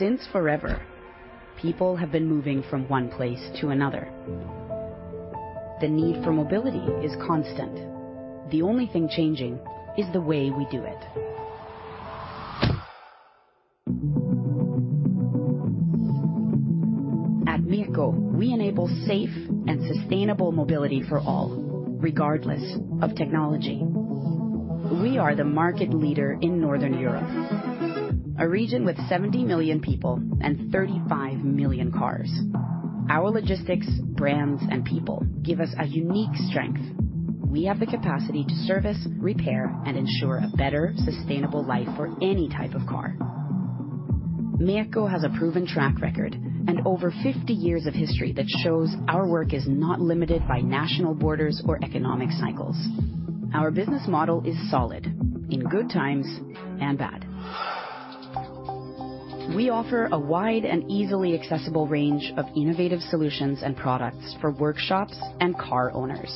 Since forever, people have been moving from one place to another. The need for mobility is constant. The only thing changing is the way we do it. At MEKO, we enable safe and sustainable mobility for all, regardless of technology. We are the market leader in Northern Europe, a region with 70 million people and 35 million cars. Our logistics, brands, and people give us a unique strength. We have the capacity to service, repair, and ensure a better, sustainable life for any type of car. MEKO has a proven track record and over 50 years of history that shows our work is not limited by national borders or economic cycles. Our business model is solid in good times and bad. We offer a wide and easily accessible range of innovative solutions and products for workshops and car owners.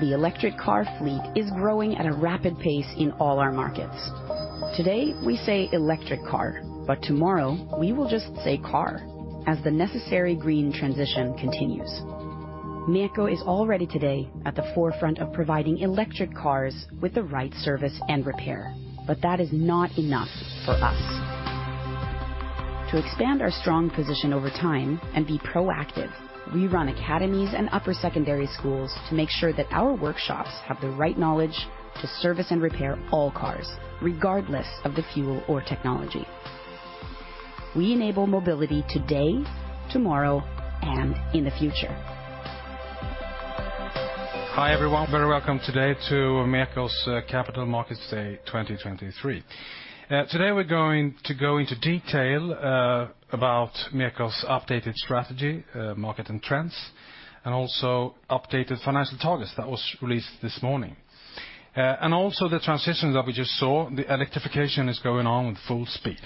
The electric car fleet is growing at a rapid pace in all our markets. Today we say electric car, but tomorrow we will just say car as the necessary green transition continues. MEKO is already today at the forefront of providing electric cars with the right service and repair. That is not enough for us. To expand our strong position over time and be proactive, we run academies and upper secondary schools to make sure that our workshops have the right knowledge to service and repair all cars, regardless of the fuel or technology. We enable mobility today, tomorrow, and in the future. Hi, everyone. Very welcome today to MEKO's Capital Markets Day 2023. Today we're going to go into detail about MEKO's updated strategy, market and trends, and also updated financial targets that was released this morning. Also the transitions that we just saw, the electrification is going on with full speed.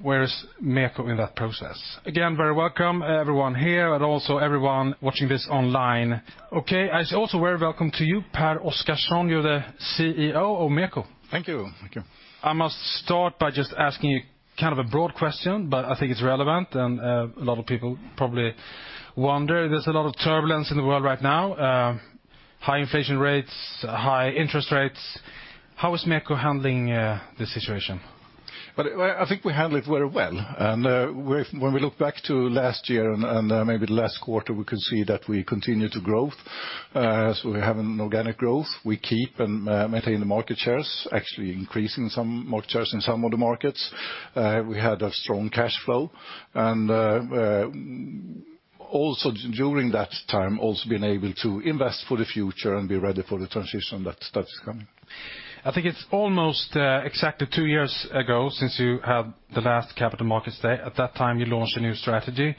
Where is MEKO in that process? Again, very welcome everyone here and also everyone watching this online. Okay. Also very welcome to you, Pehr Oscarson, you're the CEO of MEKO. Thank you. Thank you. I must start by just asking you kind of a broad question, but I think it's relevant and, a lot of people probably wonder. There's a lot of turbulence in the world right now, high inflation rates, high interest rates. How is MEKO handling the situation? Well, I think we handle it very well. When we look back to last year and maybe the last quarter, we can see that we continue to growth. We're having organic growth. We keep and maintain the market shares, actually increasing some market shares in some of the markets. We had a strong cash flow. Also during that time, also been able to invest for the future and be ready for the transition that is coming. I think it's almost, exactly two years ago since you had the last Capital Markets Day. At that time you launched a new strategy.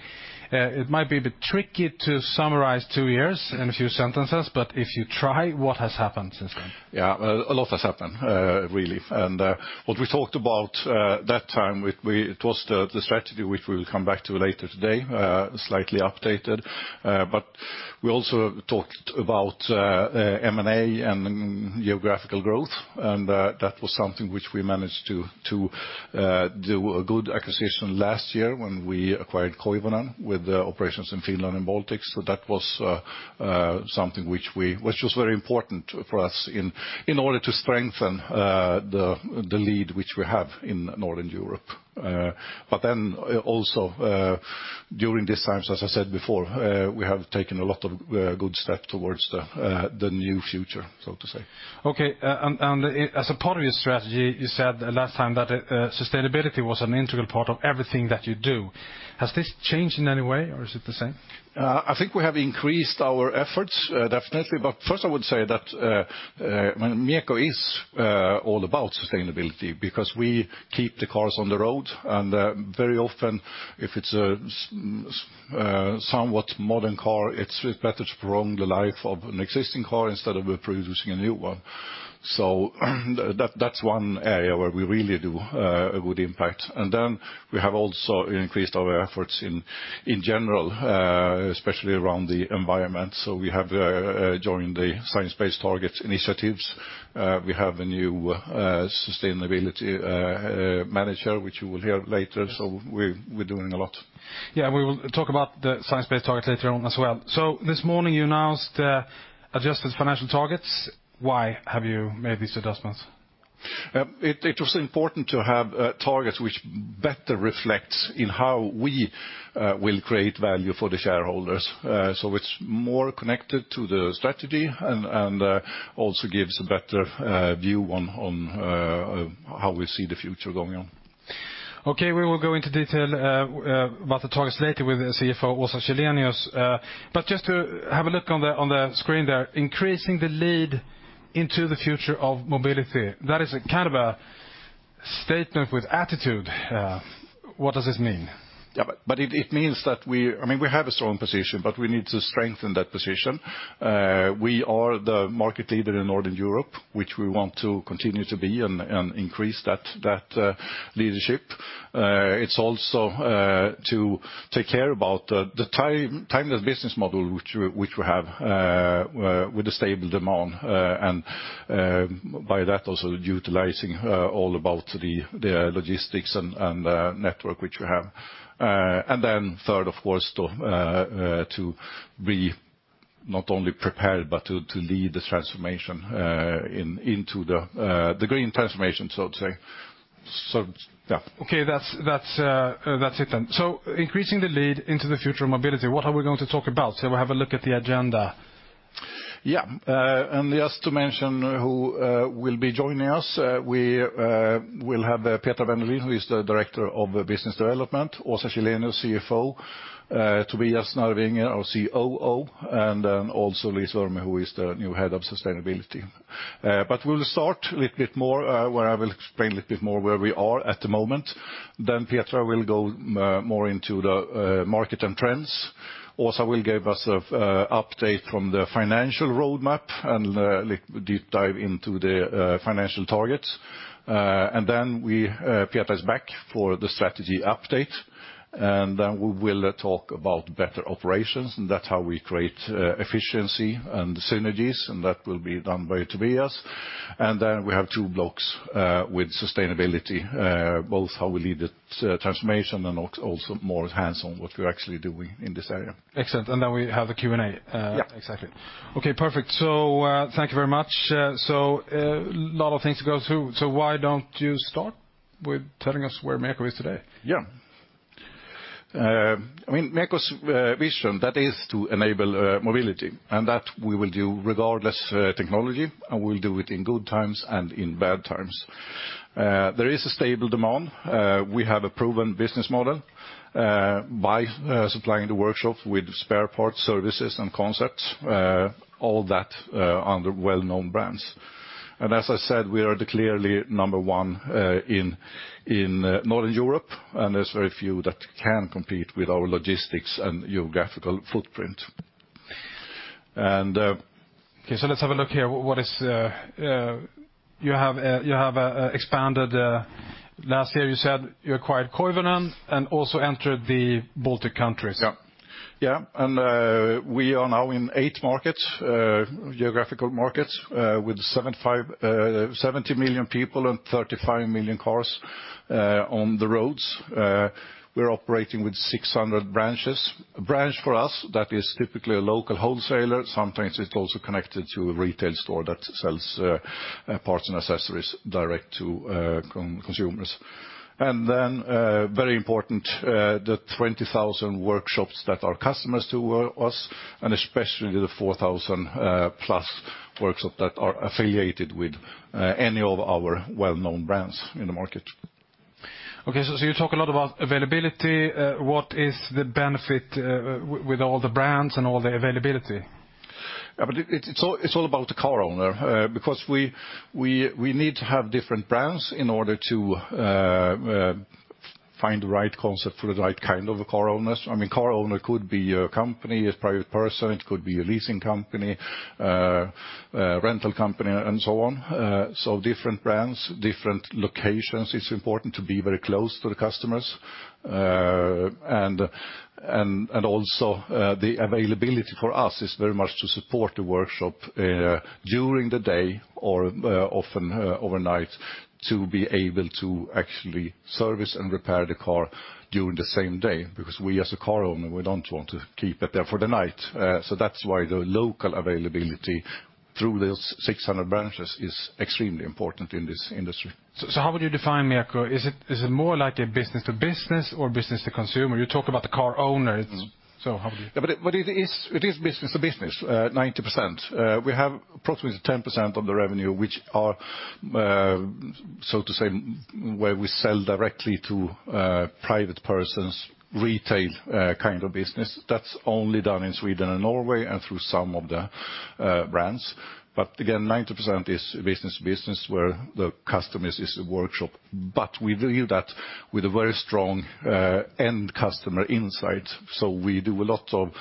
It might be a bit tricky to summarize two years in a few sentences, but if you try, what has happened since then? Yeah. A lot has happened, really. What we talked about that time. It was the strategy which we will come back to later today, slightly updated. We also talked about M&A and geographical growth. That was something which we managed to do a good acquisition last year when we acquired Koivunen with the operations in Finland and Baltics. That was something which was very important for us in order to strengthen the lead which we have in Northern Europe. Also, during these times, as I said before, we have taken a lot of good step towards the new future, so to say. Okay. As a part of your strategy, you said last time that sustainability was an integral part of everything that you do. Has this changed in any way or is it the same? I think we have increased our efforts, definitely. First I would say that MEKO is all about sustainability because we keep the cars on the road, and very often, if it's a somewhat modern car, it's better to prolong the life of an existing car instead of producing a new one. That, that's one area where we really do a good impact. We have also increased our efforts in general, especially around the environment. We have joined the Science Based Targets initiative. We have a new sustainability manager, which you will hear later. We're doing a lot. Yeah, we will talk about the Science-Based Target later on as well. This morning you announced adjusted financial targets. Why have you made these adjustments? it was important to have targets which better reflects in how we will create value for the shareholders. It's more connected to the strategy and also gives a better view on how we see the future going on. Okay, we will go into detail about the targets later with the CFO, Åsa Källenius. Just to have a look on the screen there, increasing the lead into the future of mobility. That is kind of a statement with attitude, what does this mean? It means that I mean, we have a strong position, but we need to strengthen that position. We are the market leader in Northern Europe, which we want to continue to be and increase that leadership. It's also to take care about the timeless business model which we have with a stable demand. By that also utilizing all about the logistics and network which we have. Third, of course, to be not only prepared but to lead this transformation into the green transformation, so to say. Okay, that's it then. Increasing the lead into the future mobility, what are we going to talk about? Shall we have a look at the agenda? Yeah. Just to mention who will be joining us, we will have Petra Bendelin, who is the Director of Business Development, Åsa Källenius, CFO, Tobias Narvinger, our COO, and then also Louise Wohrne, who is the new Head of Sustainability. We'll start a little bit more where I will explain a little bit more where we are at the moment. Petra will go more into the market and trends. Åsa will give us a update from the financial roadmap and little deep dive into the financial targets. Then Petra is back for the strategy update, and then we will talk about better operations, and that's how we create efficiency and synergies, and that will be done by Tobias. We have two blocks with sustainability, both how we lead the transformation and also more hands-on what we're actually doing in this area. Excellent. Then we have the Q&A. Yeah. Exactly. Okay, perfect. Thank you very much. Lot of things to go through. Why don't you start with telling us where MEKO is today? Yeah. I mean, MEKO's vision, that is to enable mobility. That we will do regardless technology, and we'll do it in good times and in bad times. There is a stable demand. We have a proven business model by supplying the workshop with spare parts, services, and concepts, all that under well-known brands. As I said, we are the clearly number one in Northern Europe, and there's very few that can compete with our logistics and geographical footprint. Okay, let's have a look here. You have expanded last year you said you acquired Koivunen and also entered the Baltic countries. Yeah. Yeah, we are now in eight markets, geographical markets, with 70 million people and 35 million cars on the roads. We're operating with 600 branches. A branch for us, that is typically a local wholesaler. Sometimes it's also connected to a retail store that sells parts and accessories direct to consumers. Very important, the 20,000 workshops that are customers to us, and especially the 4,000+ workshop that are affiliated with any of our well-known brands in the market. Okay, you talk a lot about availability. What is the benefit with all the brands and all the availability? It's all about the car owner. Because we need to have different brands in order to find the right concept for the right kind of car owners. I mean, car owner could be a company, a private person, it could be a leasing company, a rental company, and so on. Different brands, different locations. It's important to be very close to the customers. And also, the availability for us is very much to support the workshop during the day or often overnight to be able to actually service and repair the car during the same day. Because we as a car owner, we don't want to keep it there for the night. That's why the local availability through these 600 branches is extremely important in this industry. How would you define MEKO? Is it more like a business to business or business to consumer? You talk about the car owner. How would you. it is business to business, 90%. We have approximately 10% of the revenue which are so to say, where we sell directly to private persons, retail kind of business. That's only done in Sweden and Norway and through some of the brands. Again, 90% is business to business, where the customer is just a workshop. We do that with a very strong end customer insight. We do a lot of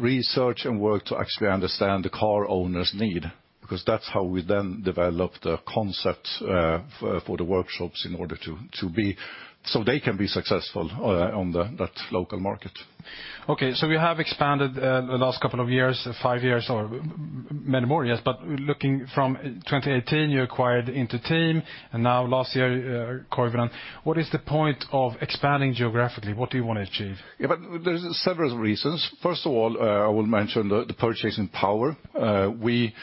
research and work to actually understand the car owner's need, because that's how we then develop the concept for the workshops in order to be so they can be successful on that local market. You have expanded the last couple of years, five years or many more years. Looking from 2018, you acquired Inter-Team, and now last year, Koivunen. What is the point of expanding geographically? What do you want to achieve? There's several reasons. First of all, I will mention the purchasing power. We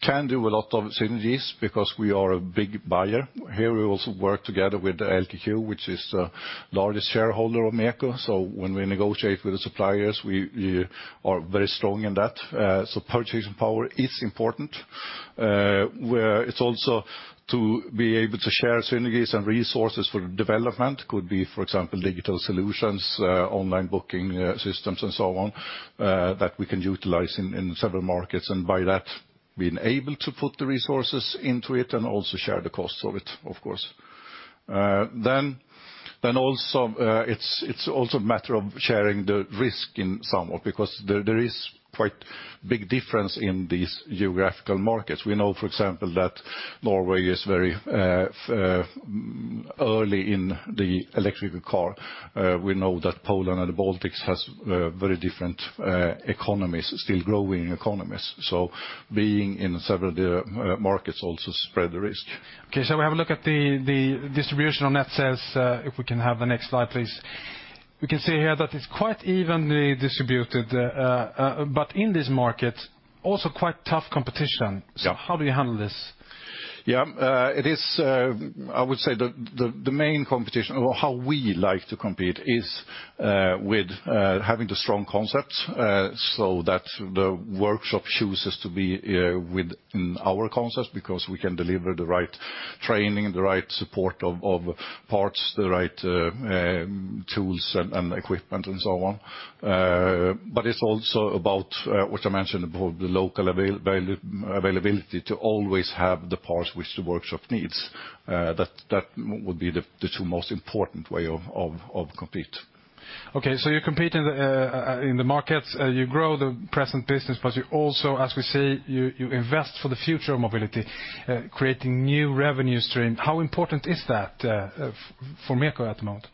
can do a lot of synergies because we are a big buyer. Here we also work together with the LKQ, which is the largest shareholder of MEKO. When we negotiate with the suppliers, we are very strong in that. Purchasing power is important. Where it's also to be able to share synergies and resources for development, could be, for example, digital solutions, online booking, systems, and so on, that we can utilize in several markets. By that, being able to put the resources into it and also share the costs of it, of course. Then also, it's also a matter of sharing the risk in some of, because there is quite big difference in these geographical markets. We know, for example, that Norway is very early in the electrical car. We know that Poland and the Baltics has very different economies, still growing economies. Being in several of the markets also spread the risk. Okay, shall we have a look at the distribution on that sales, if we can have the next slide, please. We can see here that it's quite evenly distributed. In this market, also quite tough competition. Yeah. How do you handle this? Yeah. It is. I would say the main competition or how we like to compete is with having the strong concepts so that the workshop chooses to be with our concepts because we can deliver the right training, the right support of parts, the right tools and equipment, and so on. It's also about which I mentioned about the local availability to always have the parts which the workshop needs. That would be the two most important way of compete. You compete in the in the markets, you grow the present business, as we see, you invest for the future of mobility, creating new revenue stream. How important is that for MEKO at the moment?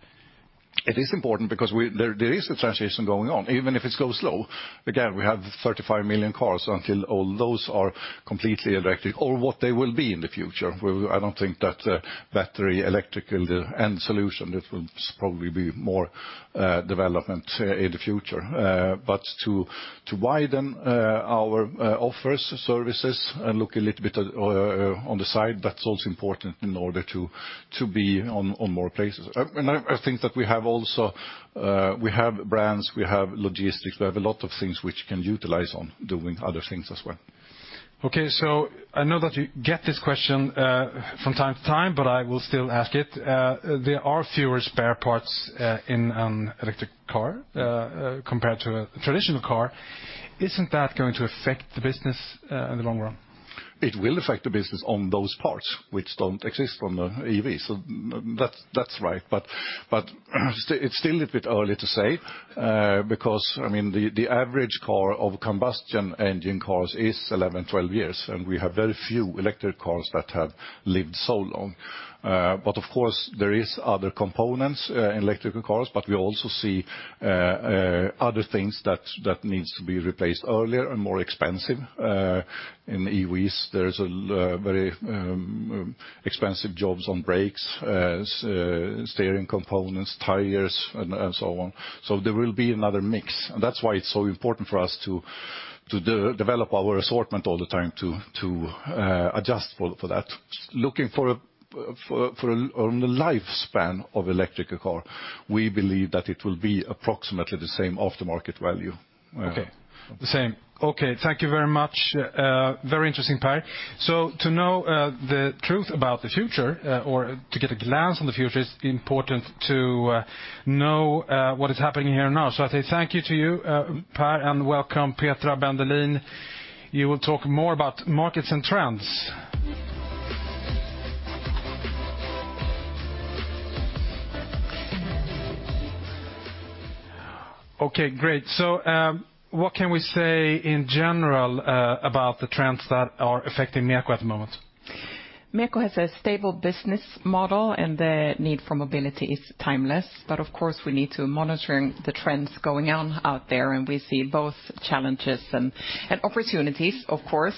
It is important because there is a transition going on, even if it goes slow. Again, we have 35 million cars. Until all those are completely electric or what they will be in the future, I don't think that battery, electric, the end solution, it will probably be more development in the future. But to widen our offers, services, and look a little bit on the side, that's also important in order to be on more places. I think that we have also, we have brands, we have logistics, we have a lot of things which can utilize on doing other things as well. Okay. I know that you get this question from time to time, but I will still ask it. There are fewer spare parts in an electric car compared to a traditional car. Isn't that going to affect the business in the long run? It will affect the business on those parts which don't exist on the EV. That's right. It's still a bit early to say, because, I mean, the average car of combustion engine cars is 11, 1two years, and we have very few electric cars that have lived so long. Of course, there is other components in electric cars, but we also see other things that needs to be replaced earlier and more expensive in EVs. There is very expensive jobs on brakes, steering components, tires, and so on. There will be another mix. That's why it's so important for us to develop our assortment all the time to adjust for that. Looking for on the lifespan of electrical car, we believe that it will be approximately the same aftermarket value. Okay. The same. Okay. Thank you very much. Very interesting, Pehr. To know the truth about the future, or to get a glance on the future, it's important to know what is happening here now. I say thank you to you, Pehr, and welcome Petra Bendelin. You will talk more about markets and trends. Okay, great. What can we say in general about the trends that are affecting MEKO at the moment? MEKO has a stable business model, and the need for mobility is timeless. Of course, we need to monitoring the trends going on out there, and we see both challenges and opportunities, of course.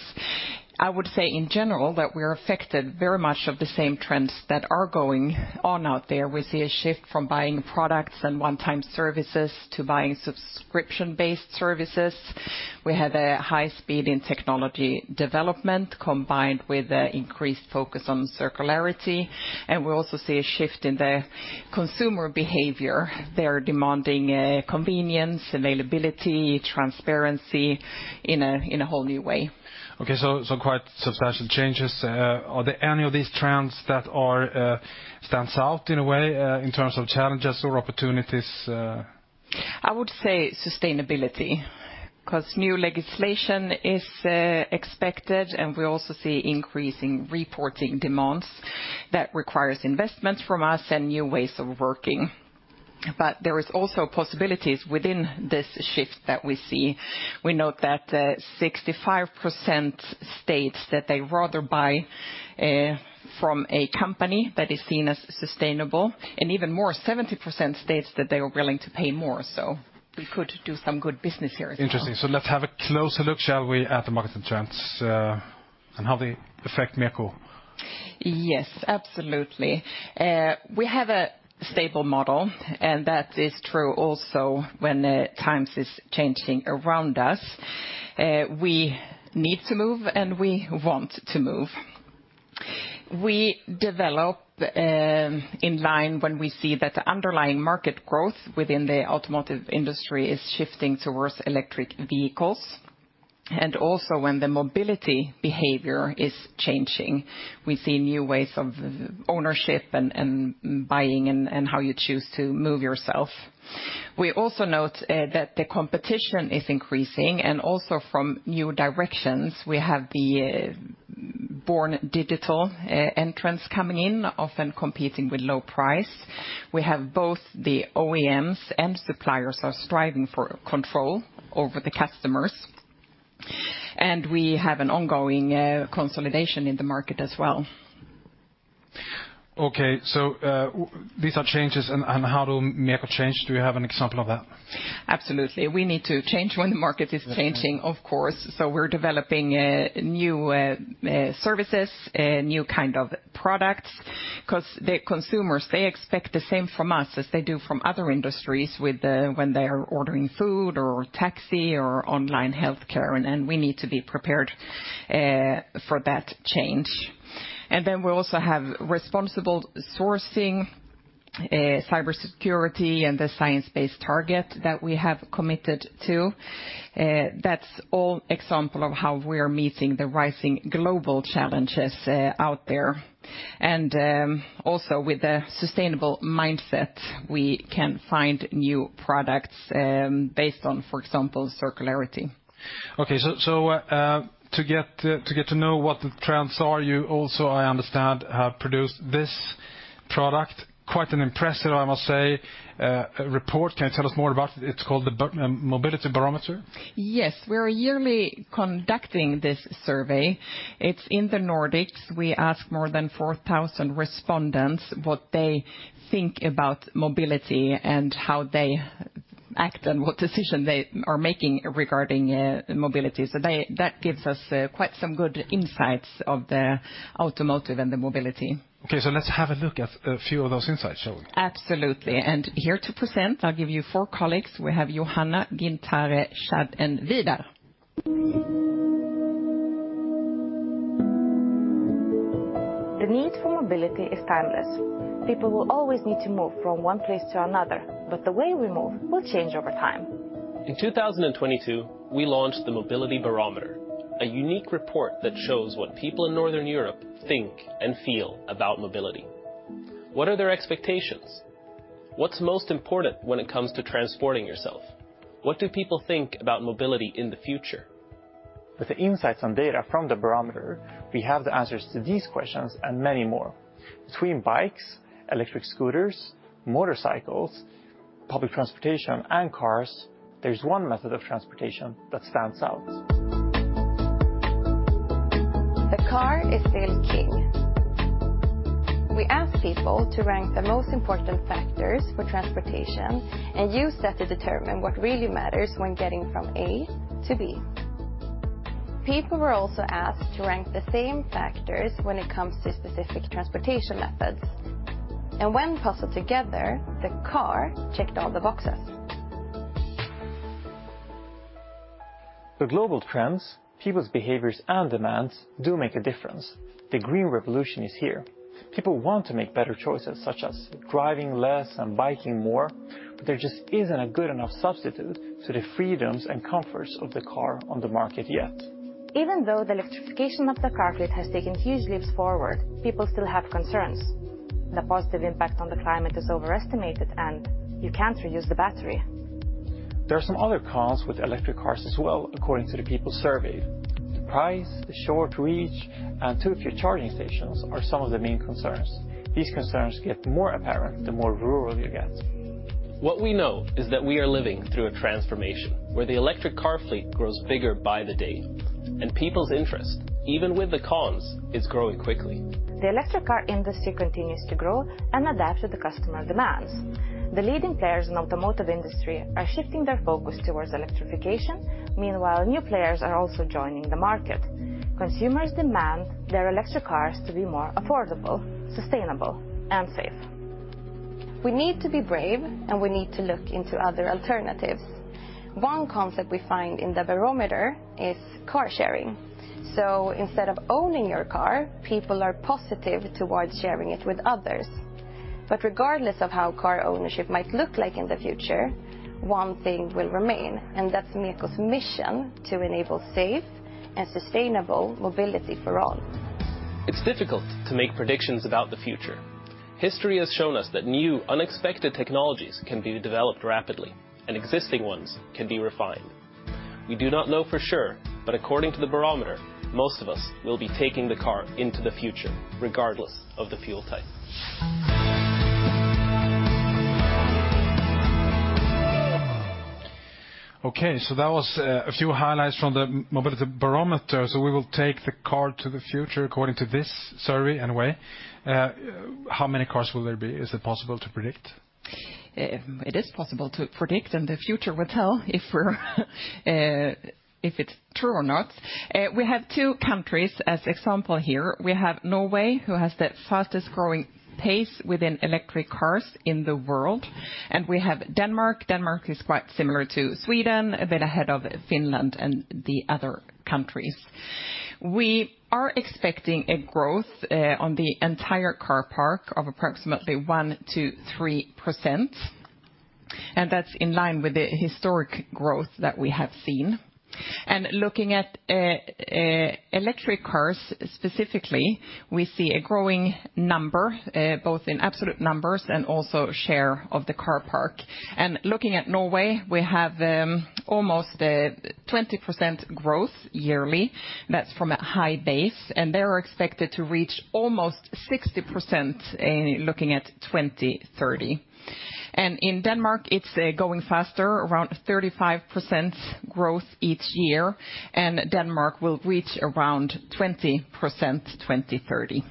I would say in general, that we are affected very much of the same trends that are going on out there. We see a shift from buying products and one-time services to buying subscription-based services. We have a high speed in technology development combined with an increased focus on circularity, and we also see a shift in the consumer behavior. They are demanding convenience, availability, transparency in a whole new way. Okay, quite substantial changes. Are there any of these trends that are, stands out in a way, in terms of challenges or opportunities? I would say sustainability, because new legislation is expected, and we also see increasing reporting demands that requires investments from us and new ways of working. There is also possibilities within this shift that we see. We note that 65% states that they rather buy from a company that is seen as sustainable, and even more, 70% states that they are willing to pay more. We could do some good business here as well. Interesting. Let's have a closer look, shall we, at the market and trends, and how they affect MEKO. Yes, absolutely. We have a stable model, and that is true also when times is changing around us. We need to move, and we want to move. We develop in line when we see that the underlying market growth within the automotive industry is shifting towards electric vehicles, and also when the mobility behavior is changing. We see new ways of ownership and buying and how you choose to move yourself. We also note that the competition is increasing, and also from new directions. We have the born digital entrants coming in, often competing with low price. We have both the OEMs and suppliers are striving for control over the customers, and we have an ongoing consolidation in the market as well. Okay. These are changes and how do MEKO change? Do you have an example of that? Absolutely. We need to change when the market is changing, of course. We're developing new services, new kind of products. Because the consumers, they expect the same from us as they do from other industries with when they are ordering food, or taxi, or online healthcare, and we need to be prepared for that change. Then we also have responsible sourcing, cybersecurity, and the Science-Based Target that we have committed to. That's all example of how we're meeting the rising global challenges out there. Also with a sustainable mindset, we can find new products based on, for example, circularity. Okay. To get to know what the trends are, you also, I understand, have produced this product. Quite an impressive, I must say, report. Can you tell us more about it? It's called the Mobility Barometer. Yes. We are yearly conducting this survey. It's in the Nordics. We ask more than 4,000 respondents what they think about mobility and how they act and what decision they are making regarding mobility. That gives us quite some good insights of the automotive and the mobility. Okay, let's have a look at a few of those insights, shall we? Absolutely. Here to present, I'll give you four colleagues. We have Johanna, Gintare, Shad, and Vidar. The need for mobility is timeless. People will always need to move from one place to another, but the way we move will change over time. In 2022, we launched the Mobility Barometer, a unique report that shows what people in Northern Europe think and feel about mobility. What are their expectations? What's most important when it comes to transporting yourself? What do people think about mobility in the future? With the insights and data from the barometer, we have the answers to these questions and many more. Between bikes, electric scooters, motorcycles, public transportation, and cars, there's one method of transportation that stands out. The car is still king. We ask people to rank the most important factors for transportation and use that to determine what really matters when getting from A to B. People were also asked to rank the same factors when it comes to specific transportation methods. When puzzled together, the car checked all the boxes. The global trends, people's behaviors, and demands do make a difference. The green revolution is here. People want to make better choices, such as driving less and biking more, but there just isn't a good enough substitute to the freedoms and comforts of the car on the market yet. Even though the electrification of the car fleet has taken huge leaps forward, people still have concerns. The positive impact on the climate is overestimated, and you can't reuse the battery. There are some other cons with electric cars as well according to the people surveyed. The price, the short reach, and too few charging stations are some of the main concerns. These concerns get more apparent the more rural you get. What we know is that we are living through a transformation where the electric car fleet grows bigger by the day, and people's interest, even with the cons, is growing quickly. The electric car industry continues to grow and adapt to the customer demands. The leading players in automotive industry are shifting their focus towards electrification. Meanwhile, new players are also joining the market. Consumers demand their electric cars to be more affordable, sustainable, and safe. We need to be brave, and we need to look into other alternatives. One concept we find in the barometer is car sharing. Instead of owning your car, people are positive towards sharing it with others. Regardless of how car ownership might look like in the future, one thing will remain, and that's MEKO's mission to enable safe and sustainable mobility for all. It's difficult to make predictions about the future. History has shown us that new unexpected technologies can be developed rapidly and existing ones can be refined. We do not know for sure. According to the barometer, most of us will be taking the car into the future regardless of the fuel type. Okay, that was a few highlights from the Mobility Barometer. We will take the car to the future, according to this survey, anyway. How many cars will there be? Is it possible to predict? It is possible to predict, and the future will tell if we're if it's true or not. We have two countries as example here. We have Norway, who has the fastest growing pace within electric cars in the world, and we have Denmark. Denmark is quite similar to Sweden, a bit ahead of Finland and the other countries. We are expecting a growth on the entire car park of approximately 1%-3%, and that's in line with the historic growth that we have seen. Looking at electric cars specifically, we see a growing number both in absolute numbers and also share of the car park. Looking at Norway, we have almost a 20% growth yearly. That's from a high base, and they are expected to reach almost 60% in looking at 2030. In Denmark, it's going faster, around 35% growth each year, and Denmark will reach around 20% 2030.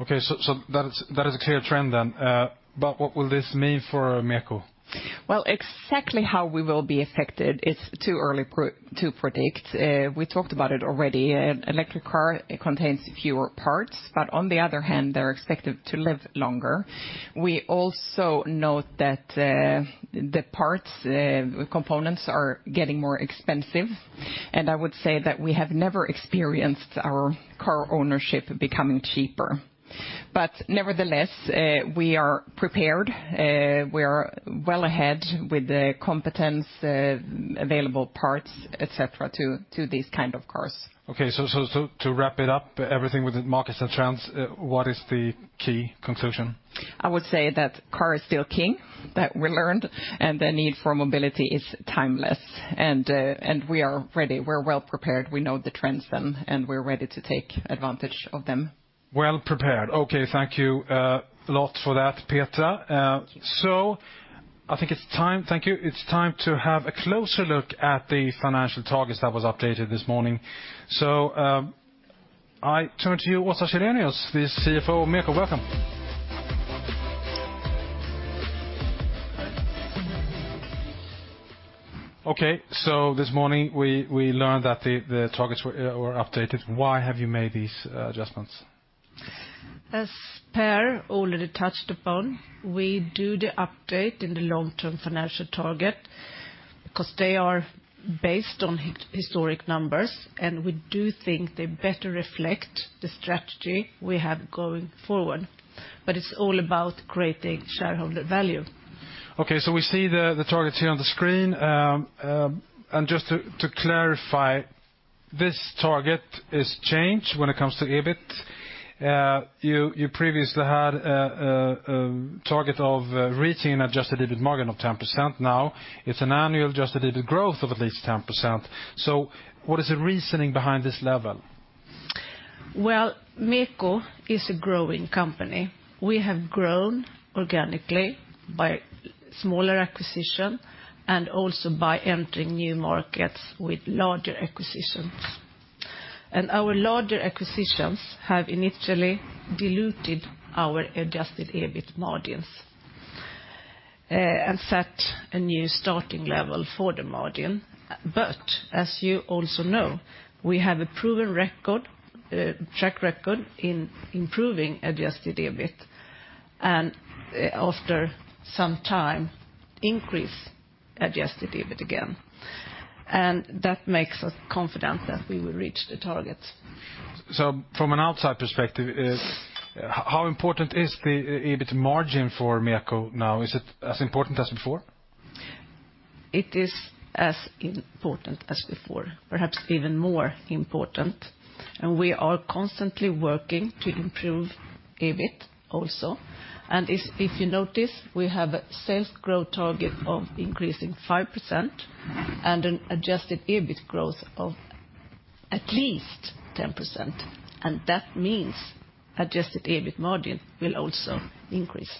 Okay, so that is a clear trend then. What will this mean for MEKO? Well, exactly how we will be affected, it's too early to predict. We talked about it already. An electric car, it contains fewer parts, but on the other hand, they're expected to live longer. We also note that the parts, components are getting more expensive, and I would say that we have never experienced our car ownership becoming cheaper. Nevertheless, we are prepared. We are well ahead with the competence, available parts, et cetera, to these kind of cars. Okay, to wrap it up, everything with the markets and trends, what is the key conclusion? I would say that car is still king, that we learned, and the need for mobility is timeless, and we are ready. We're well prepared. We know the trends then, and we're ready to take advantage of them. Well prepared. Thank you a lot for that, Petra. I think it's time. Thank you. It's time to have a closer look at the financial targets that was updated this morning. I turn to you, Åsa Källenius, the CFO of MEKO. Welcome. This morning we learned that the targets were updated. Why have you made these adjustments? As Pehr already touched upon, we do the update in the long-term financial target because they are based on historic numbers, and we do think they better reflect the strategy we have going forward. It's all about creating shareholder value. We see the targets here on the screen. Just to clarify, this target is changed when it comes to EBIT. You previously had target of reaching an adjusted EBIT margin of 10%. Now it's an annual adjusted EBIT growth of at least 10%. What is the reasoning behind this level? Well, MEKO is a growing company. We have grown organically by smaller acquisition and also by entering new markets with larger acquisitions. Our larger acquisitions have initially diluted our adjusted EBIT margins and set a new starting level for the margin. As you also know, we have a proven record, track record in improving adjusted EBIT, and after some time, increase adjusted EBIT again. That makes us confident that we will reach the targets. From an outside perspective, how important is the EBIT margin for MEKO now? Is it as important as before? It is as important as before, perhaps even more important, we are constantly working to improve EBIT also. If you notice, we have a sales growth target of increasing 5% and an adjusted EBIT growth of at least 10%, that means adjusted EBIT margin will also increase.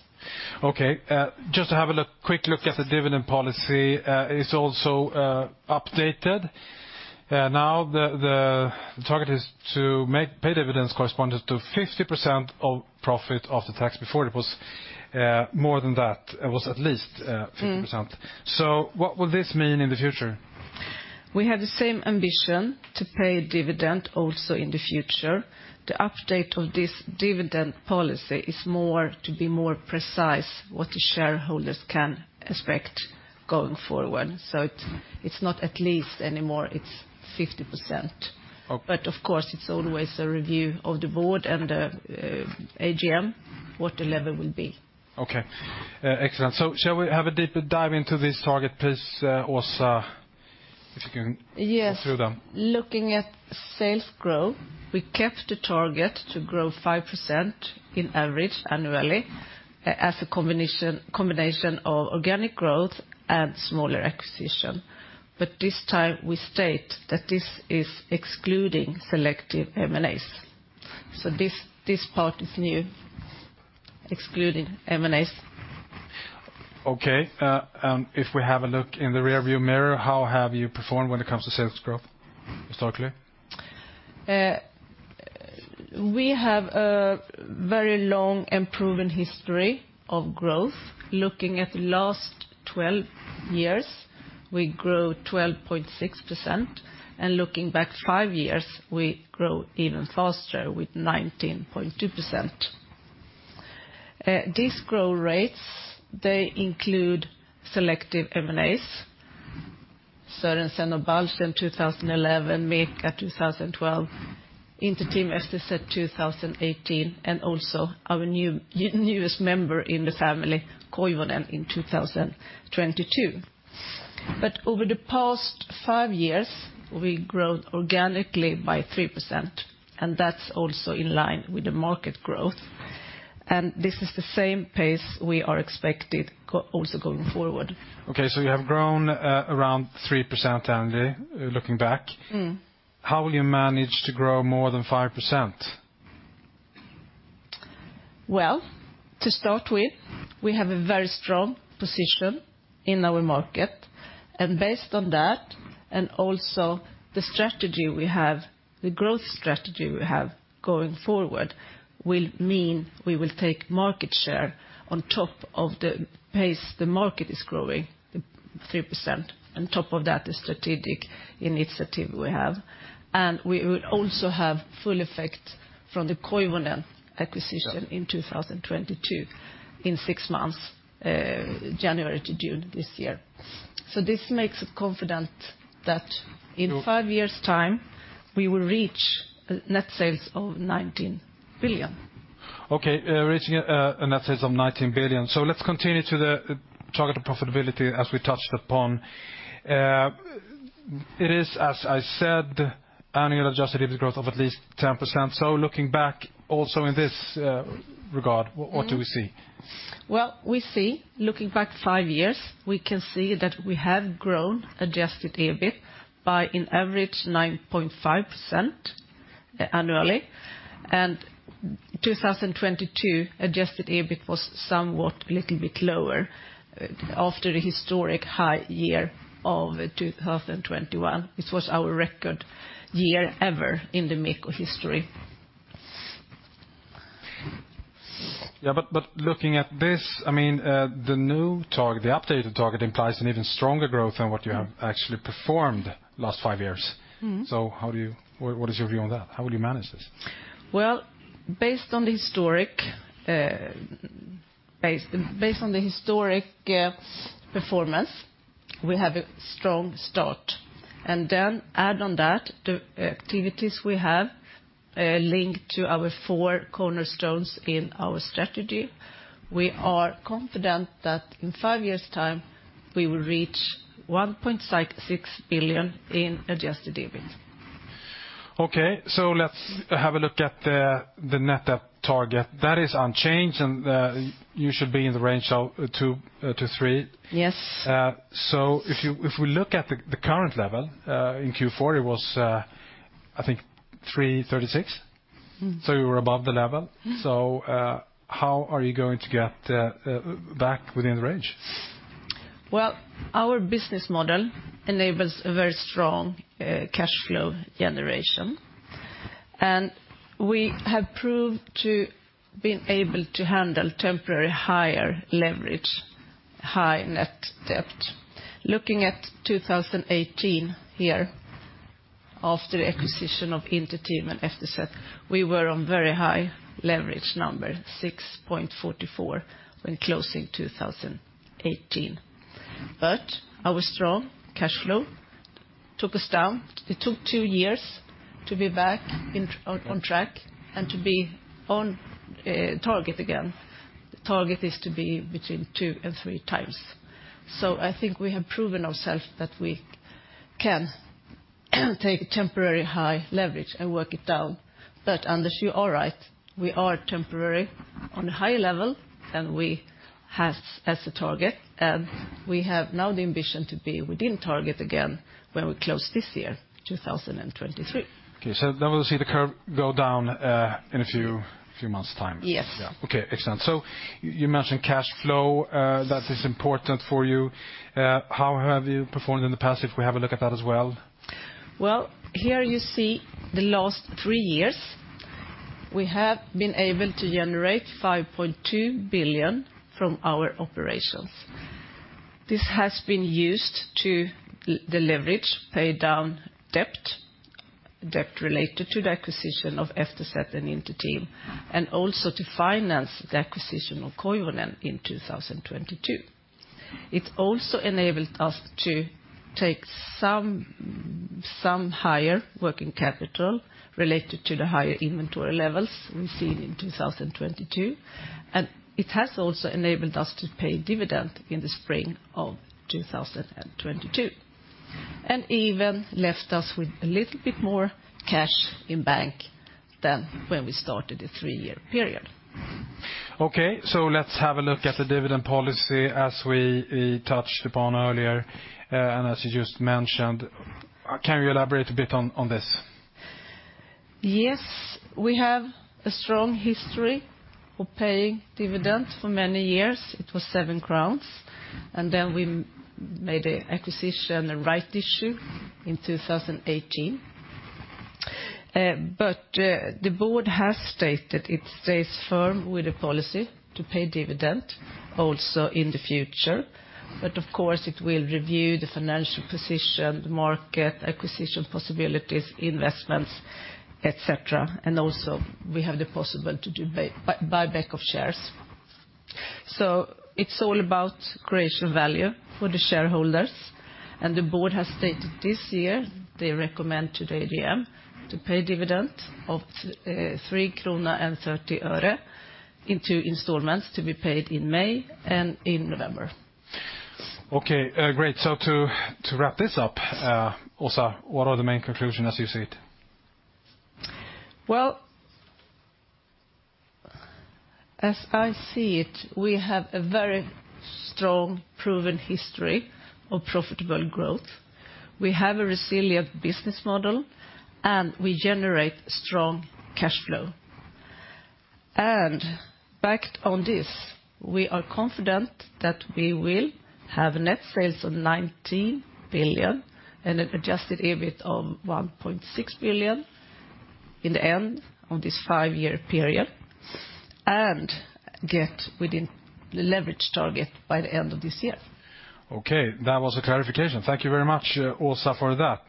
Just to have a look, quick look at the dividend policy, it is also updated. Now the target is to pay dividends correspondent to 50% of profit after tax. Before it was more than that. It was at least 50%. Mm. What will this mean in the future? We have the same ambition to pay dividend also in the future. The update of this dividend policy is more to be more precise what the shareholders can expect going forward. It's not at least anymore, it's 50%. Okay. Of course, it's always a review of the Board and AGM what the level will be. Okay, excellent. Shall we have a deeper dive into this target please, Åsa, if you can go through them? Yes. Looking at sales growth, we kept the target to grow 5% in average annually, as a combination of organic growth and smaller acquisition. This time we state that this is excluding selective M&As. This part is new, excluding M&As. Okay. If we have a look in the rearview mirror, how have you performed when it comes to sales growth historically? We have a very long and proven history of growth. Looking at the last 1two years, we grew 12.6%. Looking back five years, we grow even faster with 19.2%. These growth rates, they include selective M&As, Sørensen og Balchen in 2011, MECA 2012, Inter-Team, FTZ 2018, and also our new, newest member in the family, Koivunen, in 2022. Over the past five years, we've grown organically by 3%, and that's also in line with the market growth. This is the same pace we are expected also going forward. Okay, you have grown, around 3% annually, looking back. Mm. How will you manage to grow more than 5%? To start with, we have a very strong position in our market. Based on that, and also the strategy we have, the growth strategy we have going forward, will mean we will take market share on top of the pace the market is growing, the 3%, on top of that, the strategic initiative we have. We will also have full effect from the Koivunen acquisition in 2022 in six months, January to June this year. This makes us confident that in five years' time, we will reach net sales of 19 billion. Okay, reaching a net sales of 19 billion. Let's continue to the targeted profitability as we touched upon. It is, as I said, annual adjusted EBIT growth of at least 10%. Looking back also in this regard. Mm. What do we see? Well, we see, looking back five years, we can see that we have grown adjusted EBIT by, in average, 9.5% annually. 2022, adjusted EBIT was somewhat a little bit lower after the historic high year of 2021, which was our record year ever in the MEKO history. Yeah, but looking at this, I mean, the new target, the updated target implies an even stronger growth than what you have actually performed the last five years. Mm-hmm. What is your view on that? How will you manage this? Well, based on the historic performance, we have a strong start. Add on that, the activities we have linked to our four cornerstones in our strategy, we are confident that in five years' time, we will reach 1.6 billion in adjusted EBIT. Let's have a look at the net debt target. That is unchanged, and you should be in the range of 2x-3x. Yes. If you, if we look at the current level, in Q4, it was, I think, 3.36x? Mm. You were above the level. Mm. How are you going to get back within the range? Our business model enables a very strong cash flow generation. We have proved to being able to handle temporary higher leverage, high net debt. Looking at 2018 here, after the acquisition of Inter-Team and FTZ, we were on very high leverage number, 6.44, when closing 2018. Our strong cash flow took us down. It took two years to be back on track and to be on target again. The target is to be between 2x and 3x. I think we have proven ourself that we can take temporary high leverage and work it down. Anders, you are right. We are temporary on a high level than we have as a target. We have now the ambition to be within target again when we close this year, 2023. Okay. We'll see the curve go down, in a few months' time. Yes. Yeah. Okay, excellent. You mentioned cash flow. That is important for you. How have you performed in the past, if we have a look at that as well? Here you see the last three years, we have been able to generate 5.2 billion from our operations. This has been used to deleverage, pay down debt related to the acquisition of FTZ and Inter-Team, and also to finance the acquisition of Koivunen in 2022. It also enabled us to take some higher working capital related to the higher inventory levels we've seen in 2022. It has also enabled us to pay dividend in the spring of 2022, and even left us with a little bit more cash in bank than when we started the three-year period. Okay, let's have a look at the dividend policy as we touched upon earlier, and as you just mentioned. Can you elaborate a bit on this? Yes. We have a strong history of paying dividend for many years. It was 7 crowns, and then we made a acquisition, a right issue in 2018. The Board has stated it stays firm with the policy to pay dividend also in the future. Of course, it will review the financial position, the market, acquisition possibilities, investments, et cetera. Also, we have the possible to do buy back of shares. It's all about creation value for the shareholders, and the Board has stated this year they recommend to the AGM to pay dividend of 3.30 krona in two installments to be paid in May and in November. Okay, great. to wrap this up, Åsa, what are the main conclusion as you see it? Well, as I see it, we have a very strong proven history of profitable growth. We have a resilient business model, and we generate strong cash flow. Backed on this, we are confident that we will have net sales of 19 billion and an adjusted EBIT of 1.6 billion in the end of this five-year period, and get within the leverage target by the end of this year. Okay, that was a clarification. Thank you very much, Åsa, for that.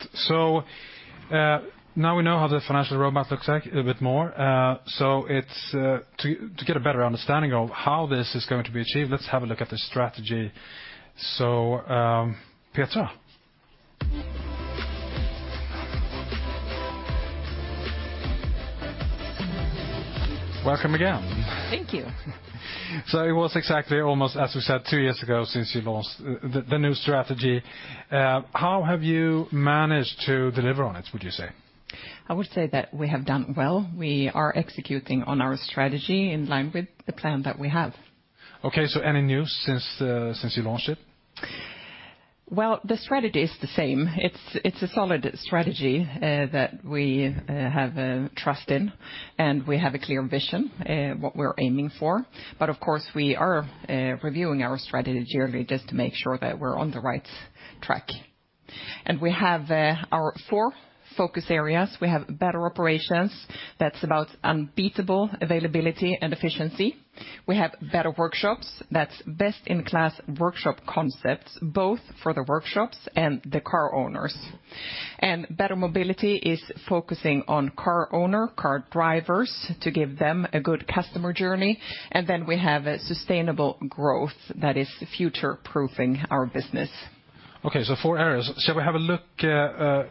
Now we know how the financial roadmap looks like a bit more. It's to get a better understanding of how this is going to be achieved, let's have a look at the strategy. Petra? Welcome again. Thank you. It was exactly almost, as we said, two years ago since you launched the new strategy. How have you managed to deliver on it, would you say? I would say that we have done well. We are executing on our strategy in line with the plan that we have. Okay, any news since you launched it? Well, the strategy is the same. It's a solid strategy that we have trust in, and we have a clear vision what we're aiming for. Of course, we are reviewing our strategy yearly just to make sure that we're on the right track. We have our four focus areas. We have Better Operations. That's about unbeatable availability and efficiency. We have Better Workshops. That's best in class workshop concepts, both for the workshops and the car owners. Better Mobility is focusing on car owner, car drivers, to give them a good customer journey. Then we have Sustainable Growth that is future-proofing our business. Okay, four areas. Shall we have a look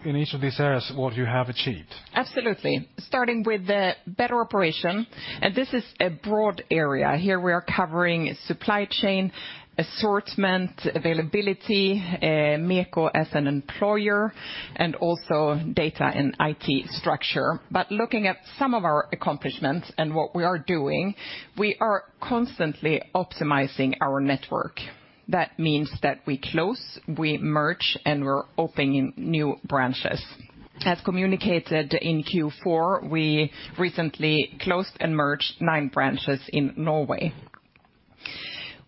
in each of these areas what you have achieved? Absolutely. Starting with the better operation, and this is a broad area. Here we are covering supply chain, assortment, availability, MEKO as an employer, and also data and IT structure. Looking at some of our accomplishments and what we are doing, we are constantly optimizing our network. That means that we close, we merge, and we're opening new branches. As communicated in Q4, we recently closed and merged nine branches in Norway.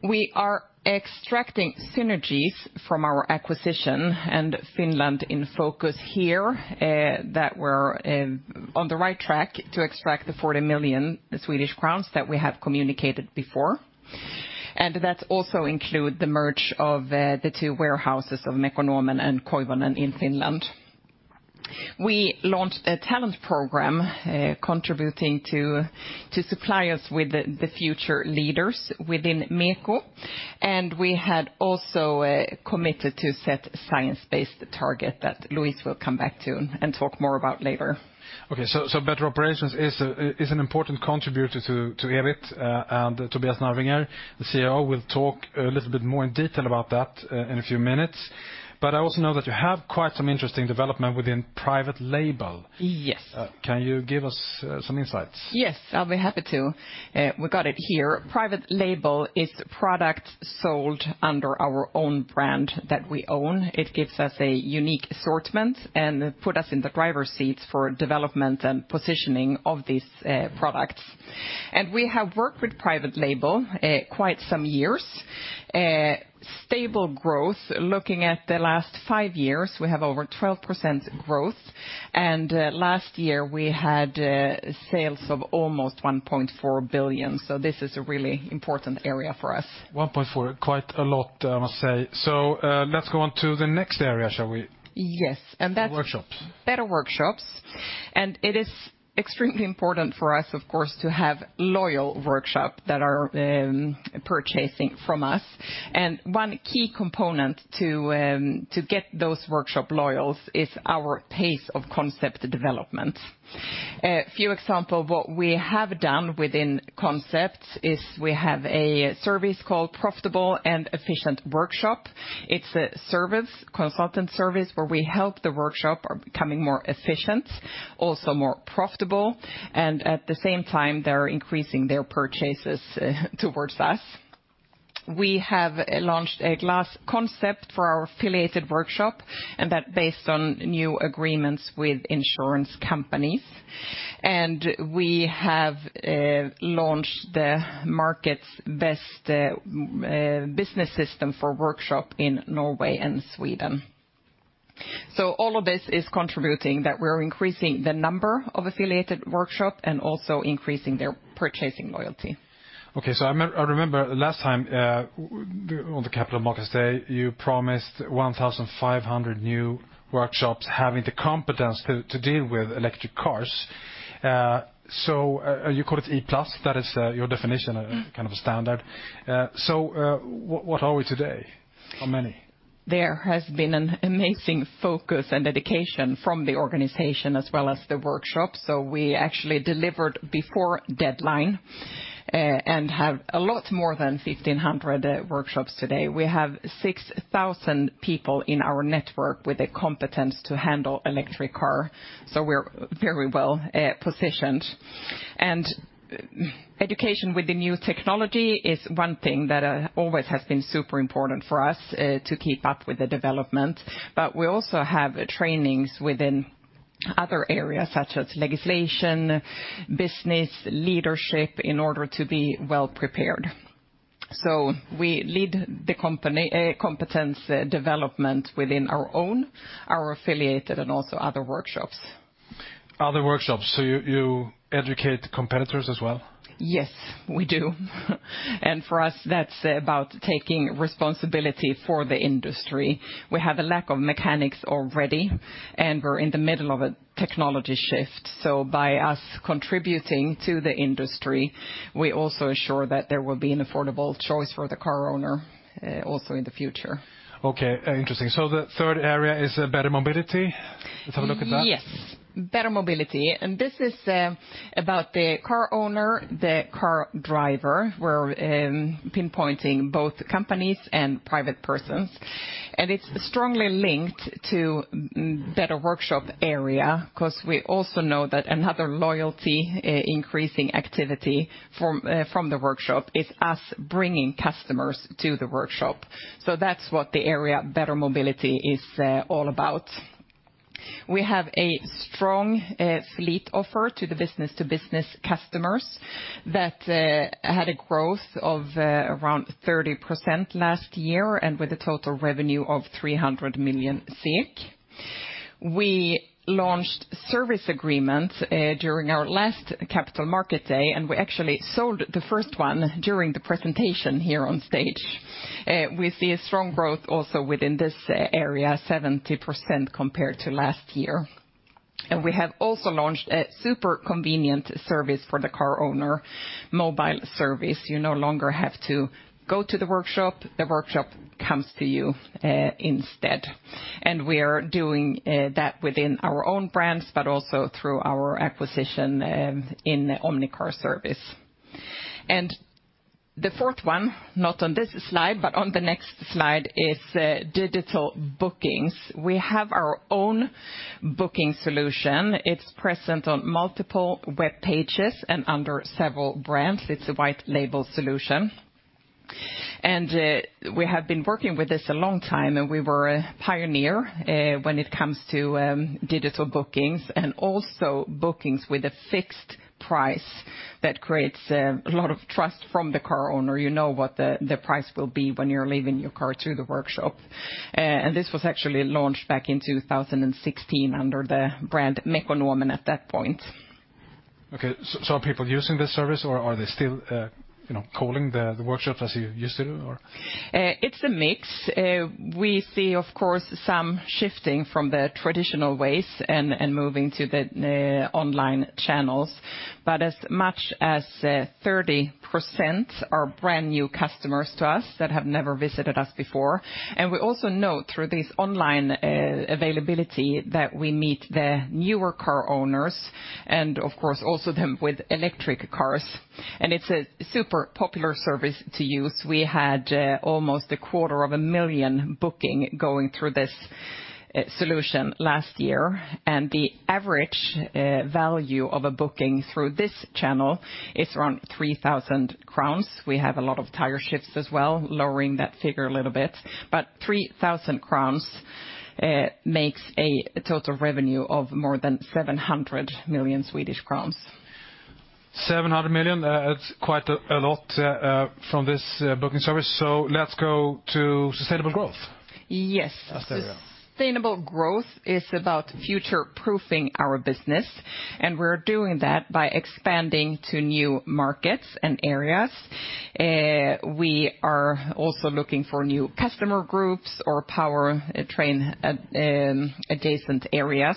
We are extracting synergies from our acquisition, and Finland in focus here, that we're on the right track to extract the 40 million Swedish crowns that we have communicated before. That also include the merge of the two warehouses of Mekonomen and Koivunen in Finland. We launched a talent program, contributing to supply us with the future leaders within MEKO. We had also committed to set Science-Based Target that Louise will come back to and talk more about later. Better operations is an important contributor to EBIT, and Tobias Narvinger, the COO, will talk a little bit more in detail about that in a few minutes. I also know that you have quite some interesting development within private label. Yes. Can you give us some insights? Yes, I'll be happy to. We got it here. Private label is product sold under our own brand that we own. It gives us a unique assortment and put us in the driver's seats for development and positioning of these products. We have worked with private label quite some years. Stable growth. Looking at the last five years, we have over 12% growth. Last year we had sales of almost 1.4 billion, so this is a really important area for us. 1.4 billion, quite a lot, I must say. Let's go on to the next area, shall we? Yes. Workshops. Better workshops. It is extremely important for us, of course, to have loyal workshop that are purchasing from us. One key component to get those workshop loyals is our pace of concept development. A few example what we have done within concepts is we have a service called Profitable and Efficient Workshop. It's a service, consultant service, where we help the workshop are becoming more efficient, also more profitable, and at the same time, they're increasing their purchases towards us. We have launched a glass concept for our affiliated workshop, and that based on new agreements with insurance companies. We have launched the market's best business system for workshop in Norway and Sweden. All of this is contributing that we're increasing the number of affiliated workshop and also increasing their purchasing loyalty. I remember last time on the Capital Markets Day, you promised 1,500 new workshops having the competence to deal with electric cars. You call it E+, that is your definition of. Mm-hmm kind of a standard. What are we today? How many? There has been an amazing focus and dedication from the organization as well as the workshop, so we actually delivered before deadline and have a lot more than 1,500 workshops today. We have 6,000 people in our network with the competence to handle electric car, so we're very well positioned. Education with the new technology is one thing that always has been super important for us to keep up with the development. We also have trainings within other areas, such as legislation, business, leadership in order to be well prepared. We lead the company competence development within our own, our affiliated, and also other workshops. Other workshops, you educate competitors as well? Yes, we do. For us, that's about taking responsibility for the industry. We have a lack of mechanics already, and we're in the middle of a technology shift. By us contributing to the industry, we also ensure that there will be an affordable choice for the car owner, also in the future. Interesting. The third area is better mobility. Let's have a look at that. Yes. Better mobility. This is about the car owner, the car driver. We're pinpointing both companies and private persons. It's strongly linked to better workshop area, 'cause we also know that another loyalty increasing activity from the workshop is us bringing customers to the workshop. That's what the area Better Mobility is all about. We have a strong fleet offer to the business-to-business customers that had a growth of around 30% last year and with a total revenue of 300 million SEK. We launched service agreements during our last capital market day, and we actually sold the first one during the presentation here on stage. We see a strong growth also within this area, 70% compared to last year. We have also launched a super convenient service for the car owner, mobile service. You no longer have to go to the workshop. The workshop comes to you instead. We are doing that within our own brands, but also through our acquisition in OmniCar service. The fourth one, not on this slide, but on the next slide is digital bookings. We have our own booking solution. It's present on multiple web pages and under several brands. It's a white label solution. We have been working with this a long time, and we were a pioneer when it comes to digital bookings and also bookings with a fixed price that creates a lot of trust from the car owner. You know what the price will be when you're leaving your car to the workshop. this was actually launched back in 2016 under the brand Mekonomen at that point. Okay. Are people using this service or are they still, you know, calling the workshop as you used to or? It's a mix. We see, of course, some shifting from the traditional ways and moving to the online channels. As much as 30% are brand-new customers to us that have never visited us before. We also know through this online availability that we meet the newer car owners and of course also them with electric cars. It's a super popular service to use. We had almost a quarter of a million booking going through this solution last year, and the average value of a booking through this channel is around 3,000 crowns. We have a lot of tire shifts as well, lowering that figure a little bit. 3,000 crowns makes a total revenue of more than 700 million Swedish crowns. 700 million, it's quite a lot from this booking service. Let's go to sustainable growth. Yes. That's the... Yeah. Sustainable growth is about future-proofing our business, and we're doing that by expanding to new markets and areas. We are also looking for new customer groups or powertrain adjacent areas.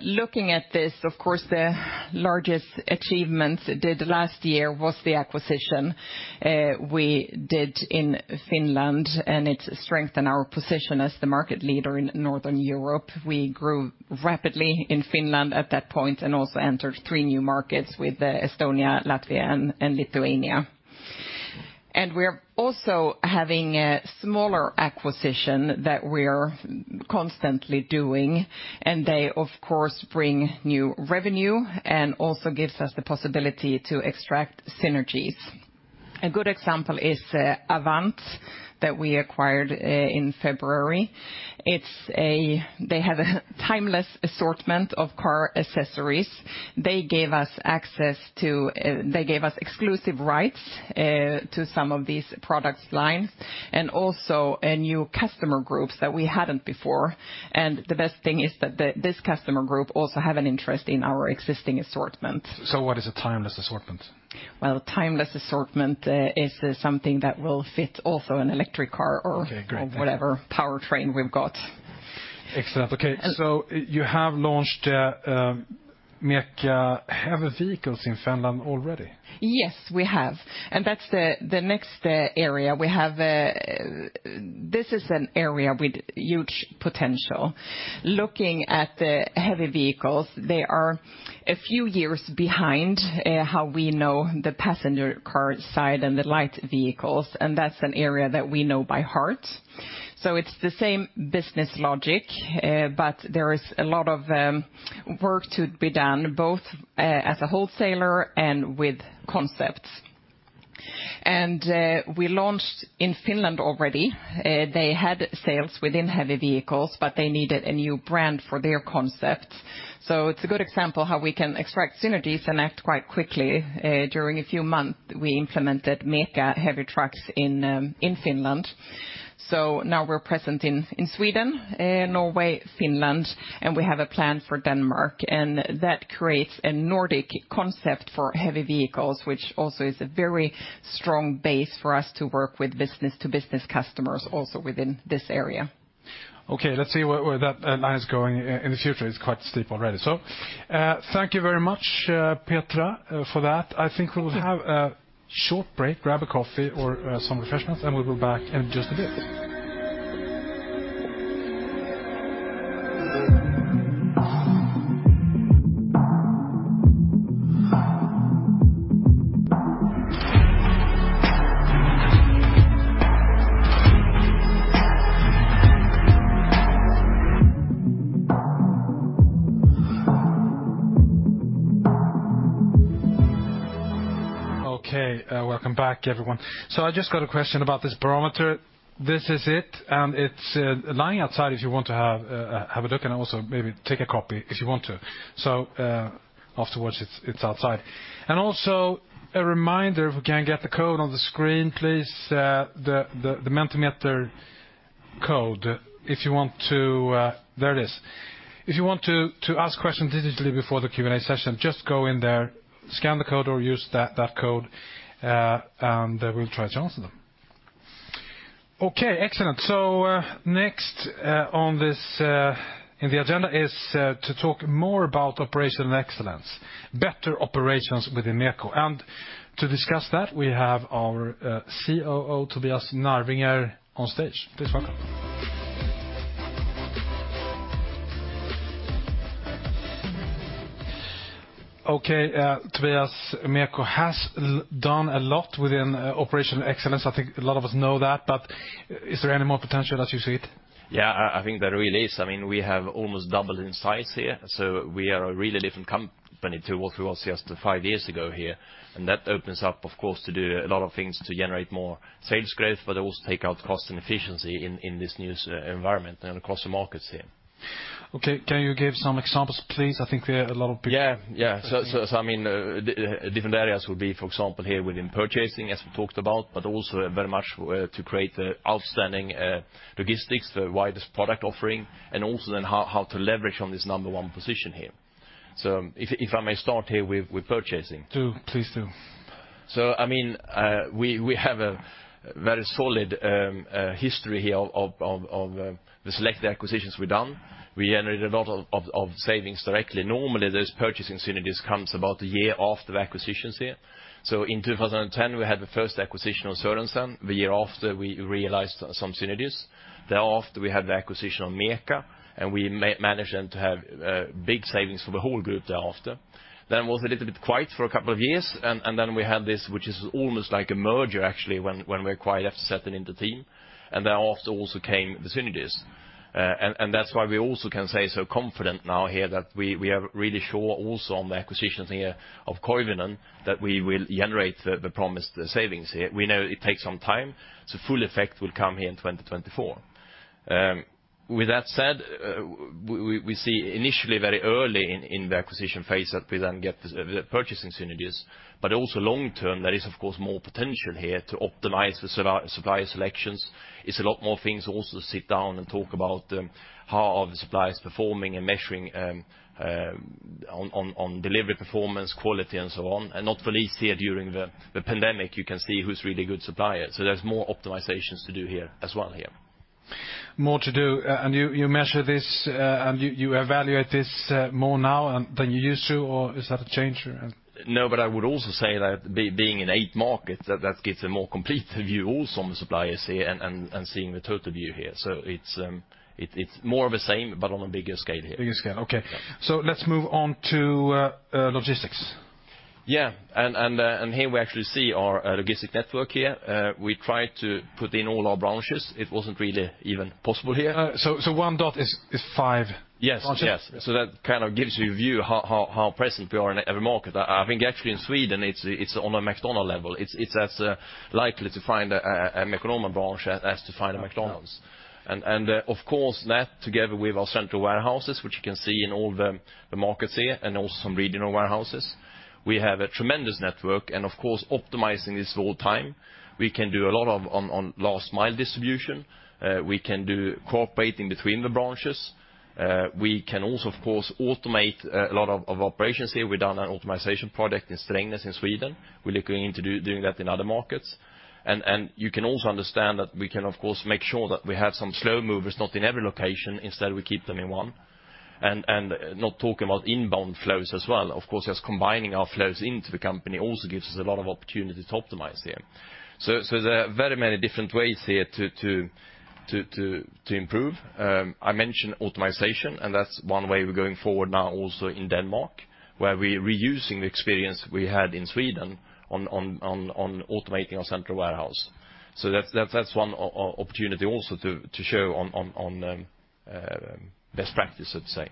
Looking at this, of course, the largest achievement did last year was the acquisition we did in Finland, and it strengthened our position as the market leader in Northern Europe. We grew rapidly in Finland at that point and also entered three new markets with Estonia, Latvia, and Lithuania. We're also having a smaller acquisition that we're constantly doing, and they of course bring new revenue and also gives us the possibility to extract synergies. A good example is Avant that we acquired in February. It's a. They have a timeless assortment of car accessories. They gave us access to. They gave us exclusive rights, to some of these product lines and also a new customer groups that we hadn't before. The best thing is that this customer group also have an interest in our existing assortment. What is a timeless assortment? Well, timeless assortment, is something that will fit also an electric car or. Okay, great. Thank you. or whatever powertrain we've got. Excellent. Okay, you have launched MECA Truck in Finland already? Yes, we have. That's the next area. We have. This is an area with huge potential. Looking at the heavy vehicles, they are a few years behind how we know the passenger car side and the light vehicles. That's an area that we know by heart. It's the same business logic, but there is a lot of work to be done, both as a wholesaler and with concepts. We launched in Finland already. They had sales within heavy vehicles, but they needed a new brand for their concepts. It's a good example how we can extract synergies and act quite quickly. During a few months, we implemented MECA heavy trucks in Finland. Now we're present in Sweden, Norway, Finland, and we have a plan for Denmark, and that creates a Nordic concept for heavy vehicles, which also is a very strong base for us to work with business-to-business customers also within this area. Let's see where that line is going in the future. It's quite steep already. Thank you very much, Petra, for that. I think we'll have a short break, grab a coffee or some refreshments, and we'll go back in just a bit. Welcome back, everyone. I just got a question about this Mobility Barometer. This is it, and it's lying outside if you want to have a look and also maybe take a copy if you want to. Afterwards, it's outside. Also a reminder, if we can get the code on the screen, please, the Mentimeter code, if you want to... There it is. If you want to ask questions digitally before the Q&A session, just go in there, scan the code or use that code, and we'll try to answer them. Excellent. Next, on this, in the agenda is to talk more about operational excellence, better operations within MEKO. To discuss that, we have our COO, Tobias Narvinger, on stage. Please welcome. Tobias, MEKO has done a lot within operational excellence. I think a lot of us know that, but is there any more potential as you see it? Yeah, I think there really is. I mean, we have almost doubled in size here. We are a really different company to what we was just five years ago here. That opens up, of course, to do a lot of things to generate more sales growth, but also take out cost and efficiency in this new environment and across the markets here. Okay. Can you give some examples, please? I think we have a lot of people- Yeah. Yeah. I mean, different areas would be, for example, here within purchasing, as we talked about, but also very much to create outstanding logistics, the widest product offering, also then how to leverage on this number one position here. If I may start here with purchasing. Do. Please do. I mean, we have a very solid history here of the select acquisitions we've done. We generated a lot of savings directly. Normally, those purchasing synergies comes about a year after the acquisitions here. In 2010, we had the first acquisition of Sørensen. The year after, we realized some synergies. Thereafter, we had the acquisition of MECA, and we managed then to have big savings for the whole group thereafter. It was a little bit quiet for a couple of years, and then we had this, which is almost like a merger actually when we acquired FTZ and Inter-Team. Thereafter also came the synergies. That's why we also can say so confident now here that we are really sure also on the acquisitions here of Koivunen that we will generate the promised savings here. We know it takes some time, so full effect will come here in 2024. With that said, we see initially very early in the acquisition phase that we then get the purchasing synergies, but also long-term, there is of course more potential here to optimize the supplier selections. It's a lot more things also to sit down and talk about, how are the suppliers performing and measuring on delivery performance, quality, and so on, and not the least here during the pandemic, you can see who's really good supplier. There's more optimizations to do here as well here. More to do. You measure this, and you evaluate this, more now than you used to, or is that a change? I would also say that being in eight markets, that gives a more complete view also on the suppliers here and seeing the total view here. It's more of the same but on a bigger scale here. Bigger scale. Okay. Yeah. Let's move on to logistics. Yeah. Here we actually see our logistic network here. We tried to put in all our branches. It wasn't really even possible here. One dot is five branches? Yes. Yes. That kind of gives you a view how present we are in every market. I think actually in Sweden, it's on a McDonald's level. It's as likely to find a Mekonomen branch as to find a McDonald's. McDonald's. Of course, that together with our central warehouses, which you can see in all the markets here and also some regional warehouses. We have a tremendous network and, of course, optimizing this all time. We can do a lot of on last mile distribution. We can do cooperating between the branches. We can also, of course, automate a lot of operations here. We've done an optimization project in Strängnäs in Sweden. We're looking into doing that in other markets. You can also understand that we can of course make sure that we have some slow movers not in every location, instead we keep them in one. Not talking about inbound flows as well. Of course, just combining our flows into the company also gives us a lot of opportunity to optimize here. There are very many different ways here to improve. I mentioned optimization, and that's one way we're going forward now also in Denmark, where we're reusing the experience we had in Sweden on automating our central warehouse. That's one opportunity also to show on best practice, let's say.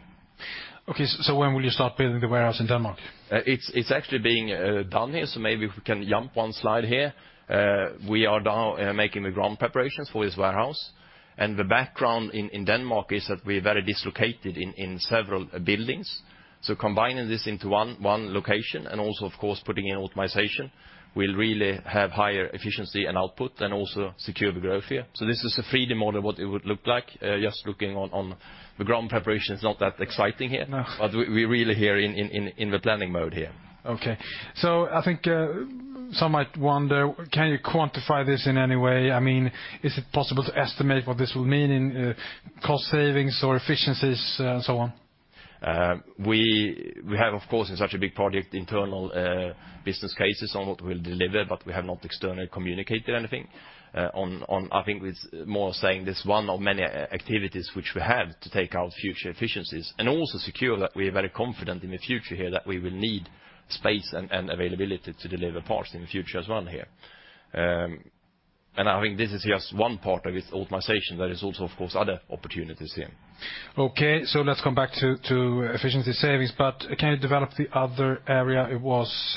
Okay, when will you start building the warehouse in Denmark? It's actually being done here, maybe if we can jump one slide here. We are now making the ground preparations for this warehouse, the background in Denmark is that we're very dislocated in several buildings. Combining this into one location and also of course putting in optimization, we'll really have higher efficiency and output and also secure the growth here. This is a 3D model of what it would look like. Just looking on the ground preparation is not that exciting here. No. We're really here in the planning mode here. Okay. I think, some might wonder, can you quantify this in any way? I mean, is it possible to estimate what this will mean in cost savings or efficiencies, and so on? We have of course in such a big project internal business cases on what we'll deliver, but we have not externally communicated anything. I think it's more saying this one of many activities which we have to take out future efficiencies and also secure that we're very confident in the future here that we will need space and availability to deliver parts in the future as well here. And I think this is just one part of this optimization. There is also of course other opportunities here. Okay, let's come back to efficiency savings, but can you develop the other area? It was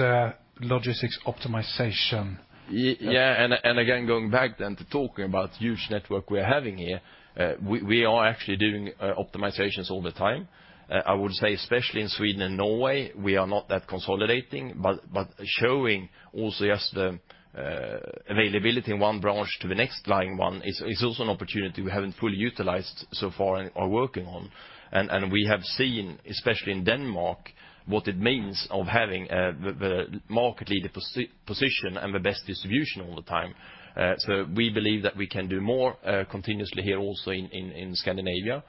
logistics optimization. Yeah, again, going back then to talking about huge network we're having here, we are actually doing optimizations all the time. I would say especially in Sweden and Norway, we are not that consolidating, but showing also just the availability in one branch to the next line one is also an opportunity we haven't fully utilized so far and are working on. We have seen, especially in Denmark, what it means of having the market leader position and the best distribution all the time. We believe that we can do more continuously here also in Scandinavia.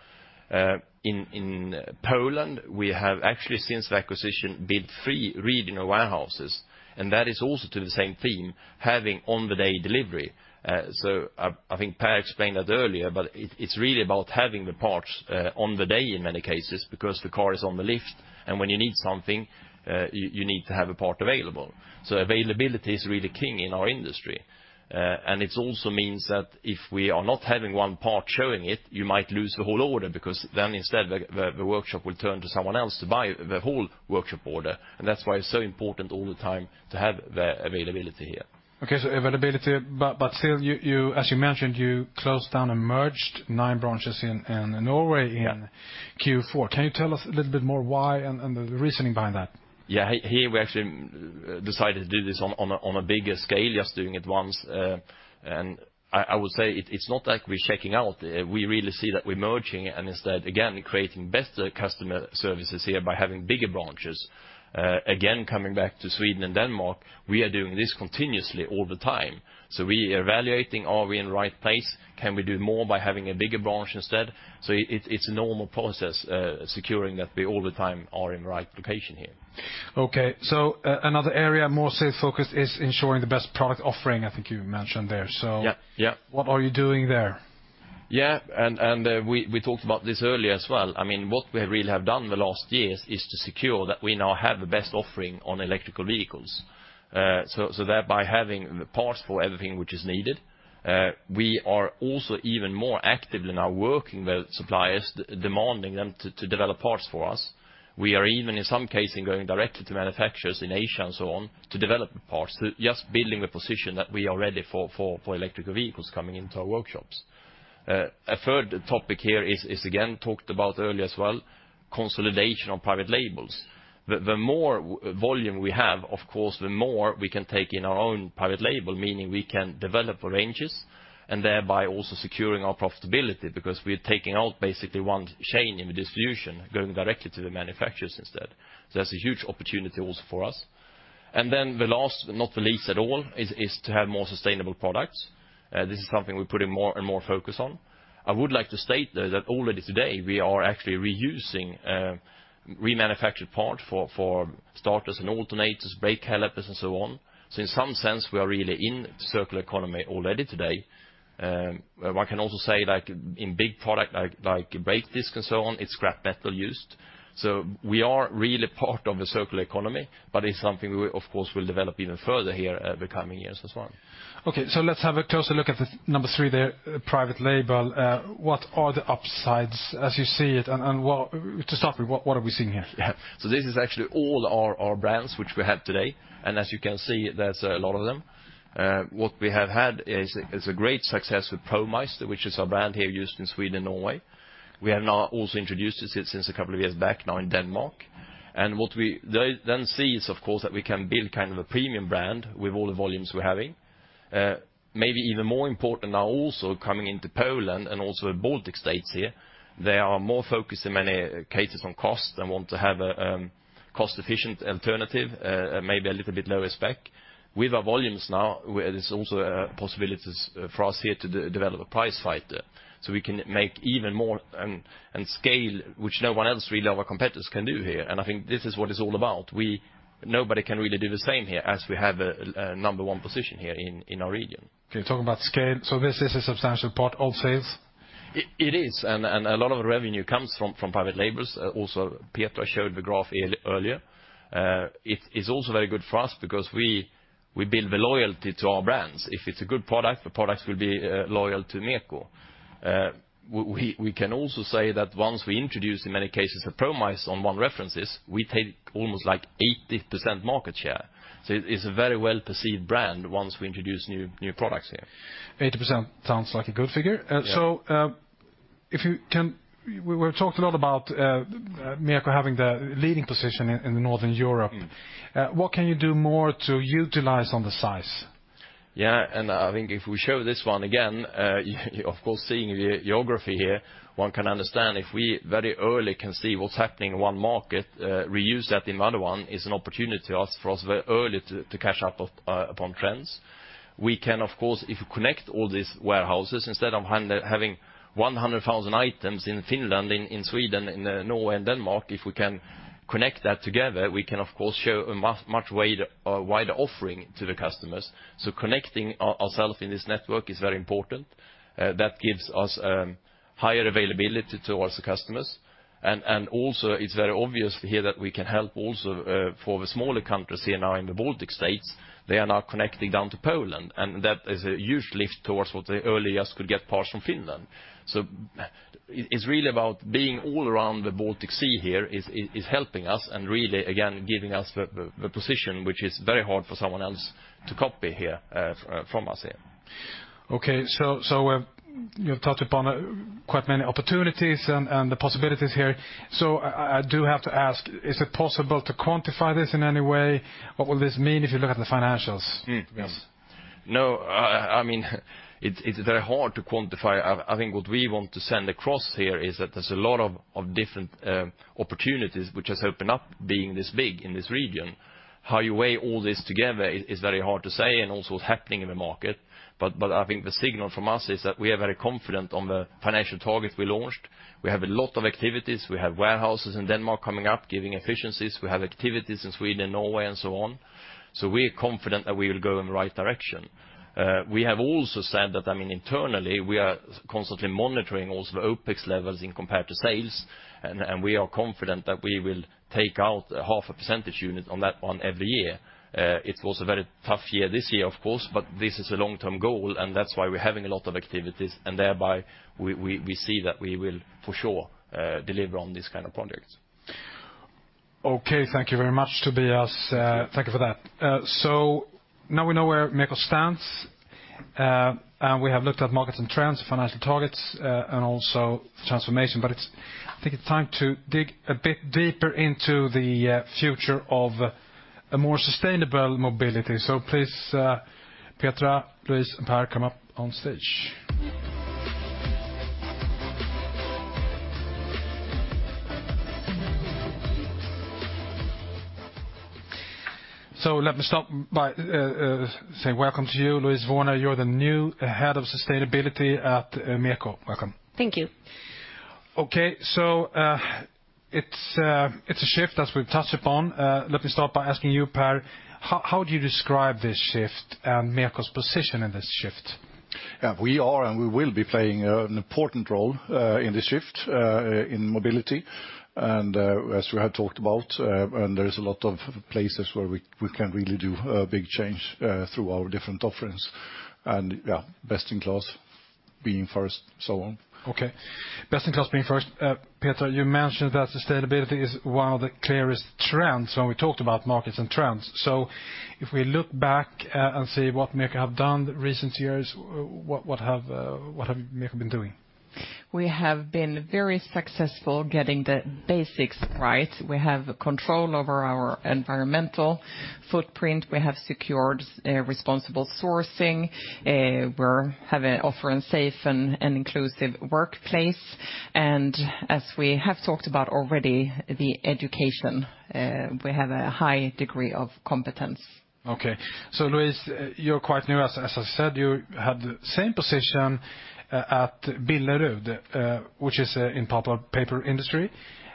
In Poland, we have actually since the acquisition built three regional warehouses, that is also to the same theme, having on-the-day delivery. I think Pehr explained that earlier, but it's really about having the parts on the day in many cases because the car is on the lift, and when you need something, you need to have a part available. Availability is really king in our industry. And it also means that if we are not having one part showing it, you might lose the whole order because then instead the workshop will turn to someone else to buy the whole workshop order, and that's why it's so important all the time to have the availability here. Availability, but still you, as you mentioned, you closed down and merged nine branches in Norway. Yeah in Q4. Can you tell us a little bit more why and the reasoning behind that? Yeah. Here we actually decided to do this on a, on a bigger scale, just doing it once. I would say it's not like we're checking out. We really see that we're merging and instead again creating better customer services here by having bigger branches. Again, coming back to Sweden and Denmark, we are doing this continuously all the time. We evaluating are we in right place, can we do more by having a bigger branch instead? It's a normal process, securing that we all the time are in the right location here. Okay. Another area more sales focused is ensuring the best product offering, I think you mentioned there. Yeah. Yeah. what are you doing there? Yeah. We talked about this earlier as well. I mean, what we really have done the last years is to secure that we now have the best offering on electric vehicles. Thereby having the parts for everything which is needed. We are also even more active in our working with suppliers, demanding them to develop parts for us. We are even in some cases going directly to manufacturers in Asia and so on to develop the parts, just building a position that we are ready for electric vehicles coming into our workshops. A third topic here is again talked about earlier as well, consolidation of private labels. The more volume we have, of course, the more we can take in our own private label, meaning we can develop our ranges and thereby also securing our profitability because we're taking out basically one chain in the distribution, going directly to the manufacturers instead. That's a huge opportunity also for us. Then the last, but not the least at all, is to have more sustainable products. This is something we're putting more and more focus on. I would like to state, though, that already today we are actually reusing remanufactured part for starters and alternators, brake calipers and so on. In some sense, we are really in circular economy already today. One can also say, like in big product like brake discs and so on, it's scrap metal used. We are really part of the circular economy, but it's something we of course will develop even further here, the coming years as well. Let's have a closer look at the number three there, private label. What are the upsides as you see it? And what are we seeing here? This is actually all our brands which we have today, and as you can see, there's a lot of them. What we have had is a great success with ProMeister, which is our brand here used in Sweden and Norway. We have now also introduced it since a couple of years back now in Denmark. What we then see is of course that we can build kind of a premium brand with all the volumes we're having. Maybe even more important now also coming into Poland and also Baltic States here, they are more focused in many cases on cost and want to have cost-efficient alternative, maybe a little bit lower spec. With our volumes now, there's also possibilities for us here to develop a price fight. we can make even more and scale which no one else really, our competitors can do here, and I think this is what it's all about. Nobody can really do the same here as we have a number one position here in our region. Okay. Talk about scale. This is a substantial part of sales? It is, and a lot of revenue comes from private labels. Also Petra showed the graph earlier. It is also very good for us because we build the loyalty to our brands. If it's a good product, the products will be loyal to MEKO. We can also say that once we introduce in many cases a ProMeister on one references, we take almost like 80% market share. It's a very well-perceived brand once we introduce new products here. 80% sounds like a good figure. Yeah. We talked a lot about MEKO having the leading position in Northern Europe. Mm. What can you do more to utilize on the size? I think if we show this one again, you, of course seeing the geography here, one can understand if we very early can see what's happening in one market, reuse that in another one is an opportunity to us, for us very early to catch up upon trends. We can of course, if you connect all these warehouses, instead of having 100,000 items in Finland, in Sweden, in Norway and Denmark, if we can connect that together, we can of course show a much wider offering to the customers. Connecting ourself in this network is very important. That gives us higher availability towards the customers. Also it's very obvious here that we can help also for the smaller countries here now in the Baltic states, they are now connecting down to Poland, and that is a huge lift towards what the early years could get parts from Finland. It's really about being all around the Baltic Sea here is helping us and really again, giving us the position which is very hard for someone else to copy here from us here. Okay. So you've touched upon quite many opportunities and the possibilities here. I do have to ask, is it possible to quantify this in any way? What will this mean if you look at the financials? Yes. No, I mean, it's very hard to quantify. I think what we want to send across here is that there's a lot of different opportunities which has opened up being this big in this region. How you weigh all this together is very hard to say and also what's happening in the market. I think the signal from us is that we are very confident on the financial targets we launched. We have a lot of activities. We have warehouses in Denmark coming up, giving efficiencies. We have activities in Sweden, Norway and so on. We're confident that we will go in the right direction. We have also said that, I mean, internally, we are constantly monitoring also OpEx levels in compared to sales, and we are confident that we will take out 0.5 percentage unit on that one every year. It was a very tough year this year, of course, but this is a long-term goal, and that's why we're having a lot of activities, and thereby we see that we will for sure deliver on these kind of projects. Okay, thank you very much, Tobias. Yeah. Thank you for that. Now we know where MEKO stands, and we have looked at markets and trends, financial targets, and also transformation. I think it's time to dig a bit deeper into the future of a more sustainable mobility. Please, Petra, Louise, and Pehr, come up on stage. Let me start by saying welcome to you, Louise Warner. You're the new Head of Sustainability at MEKO. Welcome. Thank you. Okay, it's a shift as we've touched upon. Let me start by asking you, Pehr, how do you describe this shift and MEKO's position in this shift? We are and we will be playing an important role in this shift in mobility. As we have talked about, there is a lot of places where we can really do a big change through our different offerings. Best in class, being first, so on. Okay. Best in class, being first. Petra, you mentioned that sustainability is one of the clearest trends when we talked about markets and trends. If we look back and see what MEKO have done recent years, what have MEKO been doing? We have been very successful getting the basics right. We have control over our environmental footprint. We have secured responsible sourcing. Offering safe and inclusive workplace. As we have talked about already, the education, we have a high degree of competence. Okay. Louise, you're quite new. As I said, you had the same position at Billerud, which is in pulp and paper industry.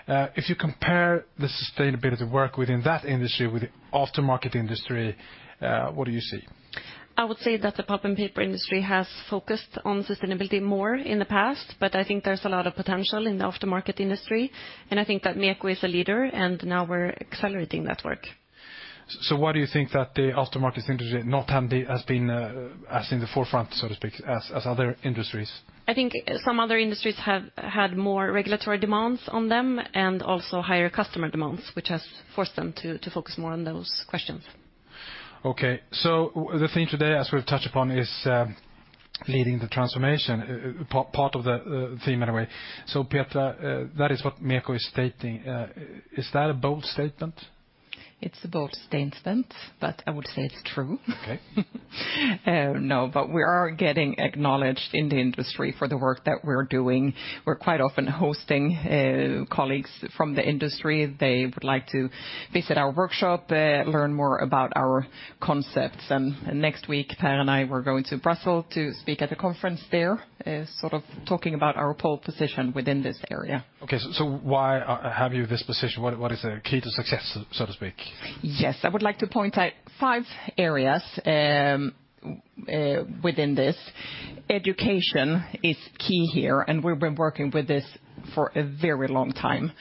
If you compare the sustainability work within that industry with the aftermarket industry, what do you see? I would say that the pulp and paper industry has focused on sustainability more in the past, but I think there's a lot of potential in the aftermarket industry, and I think that MEKO is a leader, and now we're accelerating that work. Why do you think that the aftermarket industry Has been as in the forefront, so to speak, as other industries? I think some other industries have had more regulatory demands on them and also higher customer demands, which has forced them to focus more on those questions. The theme today, as we've touched upon, is leading the transformation, part of the theme anyway. Petra, that is what MEKO is stating. Is that a bold statement? It's a bold statement, but I would say it's true. Okay. No, but we are getting acknowledged in the industry for the work that we're doing. We're quite often hosting colleagues from the industry. They would like to visit our workshop, learn more about our concepts. Next week, Pehr and I, we're going to Brussels to speak at a conference there, sort of talking about our pole position within this area. Okay, why have you this position? What is the key to success, so to speak? Yes. I would like to point out five areas within this. Education is key here, and we've been working with this for a very long time.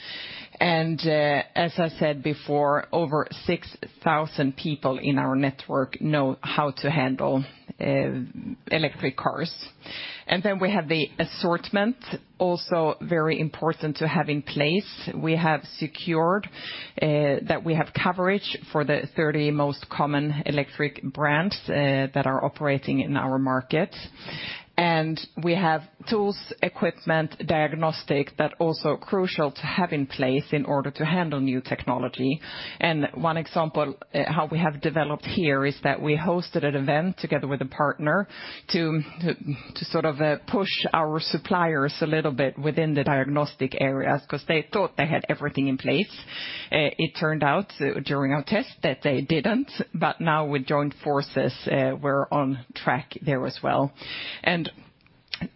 As I said before, over 6,000 people in our network know how to handle electric cars. We have the assortment, also very important to have in place. We have secured that we have coverage for the 30 most common electric brands that are operating in our market. We have tools, equipment, diagnostic that also crucial to have in place in order to handle new technology. One example how we have developed here is that we hosted an event together with a partner to sort of push our suppliers a little bit within the diagnostic areas because they thought they had everything in place. It turned out during our test that they didn't, but now we joined forces, we're on track there as well.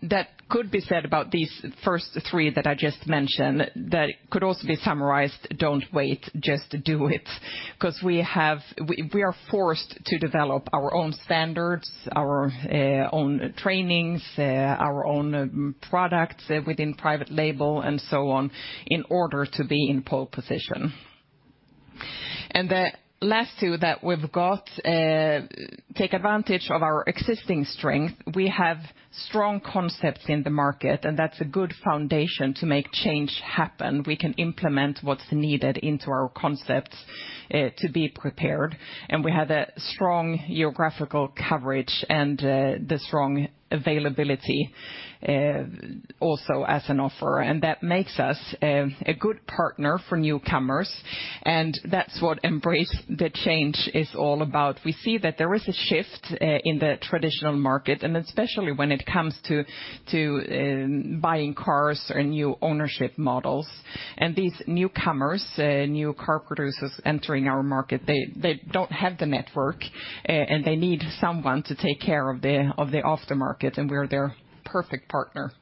That could be said about these first three that I just mentioned, that it could also be summarized, don't wait, just do it. Private Label because we are forced to develop our own standards, our own trainings, our own products within private label and so on in order to be in pole position. The last two that we've got, take advantage of our existing strength. We have strong concepts in the market, and that's a good foundation to make change happen. We can implement what's needed into our concepts to be prepared. We have a strong geographical coverage and the strong availability also as an offer. That makes us a good partner for newcomers, and that's what embrace the change is all about. We see that there is a shift in the traditional market, and especially when it comes to buying cars or new ownership models. These newcomers, new car producers entering our market, they don't have the network, and they need someone to take care of the aftermarket, and we're their perfect partner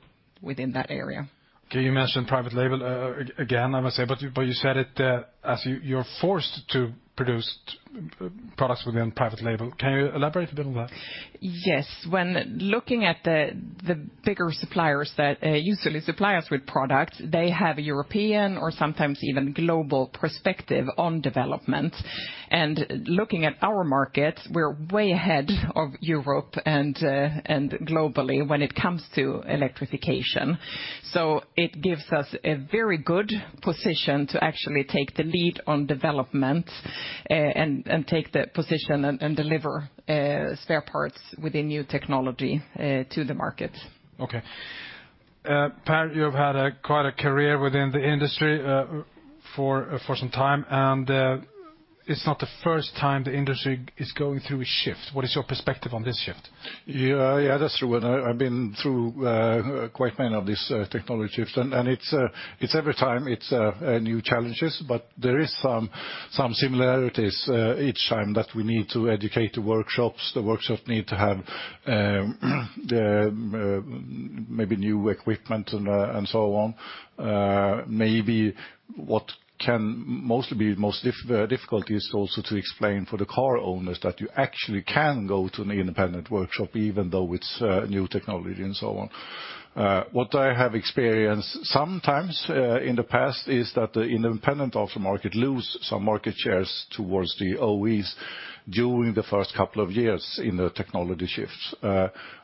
within that area. Okay. You mentioned private label, again, I must say, but you said it, as you're forced to produce products within private label. Can you elaborate a bit on that? Yes. When looking at the bigger suppliers that usually supply us with product, they have a European or sometimes even global perspective on development. Looking at our markets, we're way ahead of Europe and globally when it comes to electrification. It gives us a very good position to actually take the lead on development, and take the position and deliver spare parts with the new technology to the market. Okay. Pehr, you've had quite a career within the industry, for some time, and it's not the first time the industry is going through a shift. What is your perspective on this shift? Yeah. Yeah, that's true. I've been through quite a man of these technology shifts, and it's every time it's a new challenges, but there is some similarities each time that we need to educate the workshops. The workshops need to have the, maybe new equipment and so on. Maybe what can mostly be most difficult is also to explain for the car owners that you actually can go to an independent workshop even though it's new technology and so on. What I have experienced sometimes in the past is that the independent aftermarket lose some market shares towards the OEs during the first two years in the technology shifts.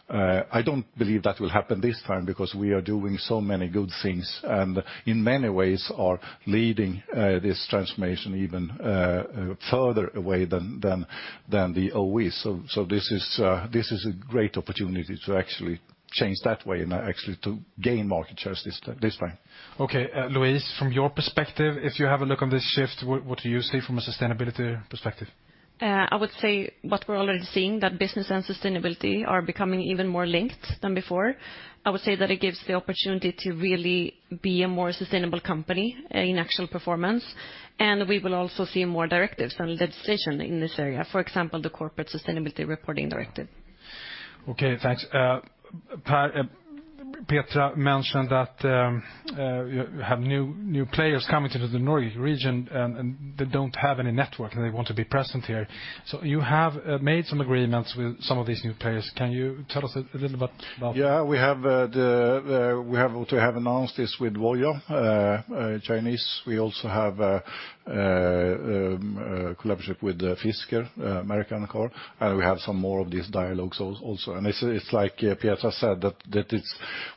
I don't believe that will happen this time because we are doing so many good things, and in many ways are leading, this transformation even, further away than the OEs. This is a great opportunity to actually change that way and actually to gain market shares this time. Okay. Louise, from your perspective, if you have a look on this shift, what do you see from a sustainability perspective? I would say what we're already seeing, that business and sustainability are becoming even more linked than before. I would say that it gives the opportunity to really be a more sustainable company, in actual performance. We will also see more directives and legislation in this area, for example, the Corporate Sustainability Reporting Directive. Okay, thanks. Pehr, Petra mentioned that you have new players coming to the region and they don't have any network and they want to be present here. You have made some agreements with some of these new players. Can you tell us a little about that? Yeah, we have announced this with VOYAH, Chinese. We also have a collaboration with Fisker, American car, and we have some more of these dialogues also. It's like Petra said,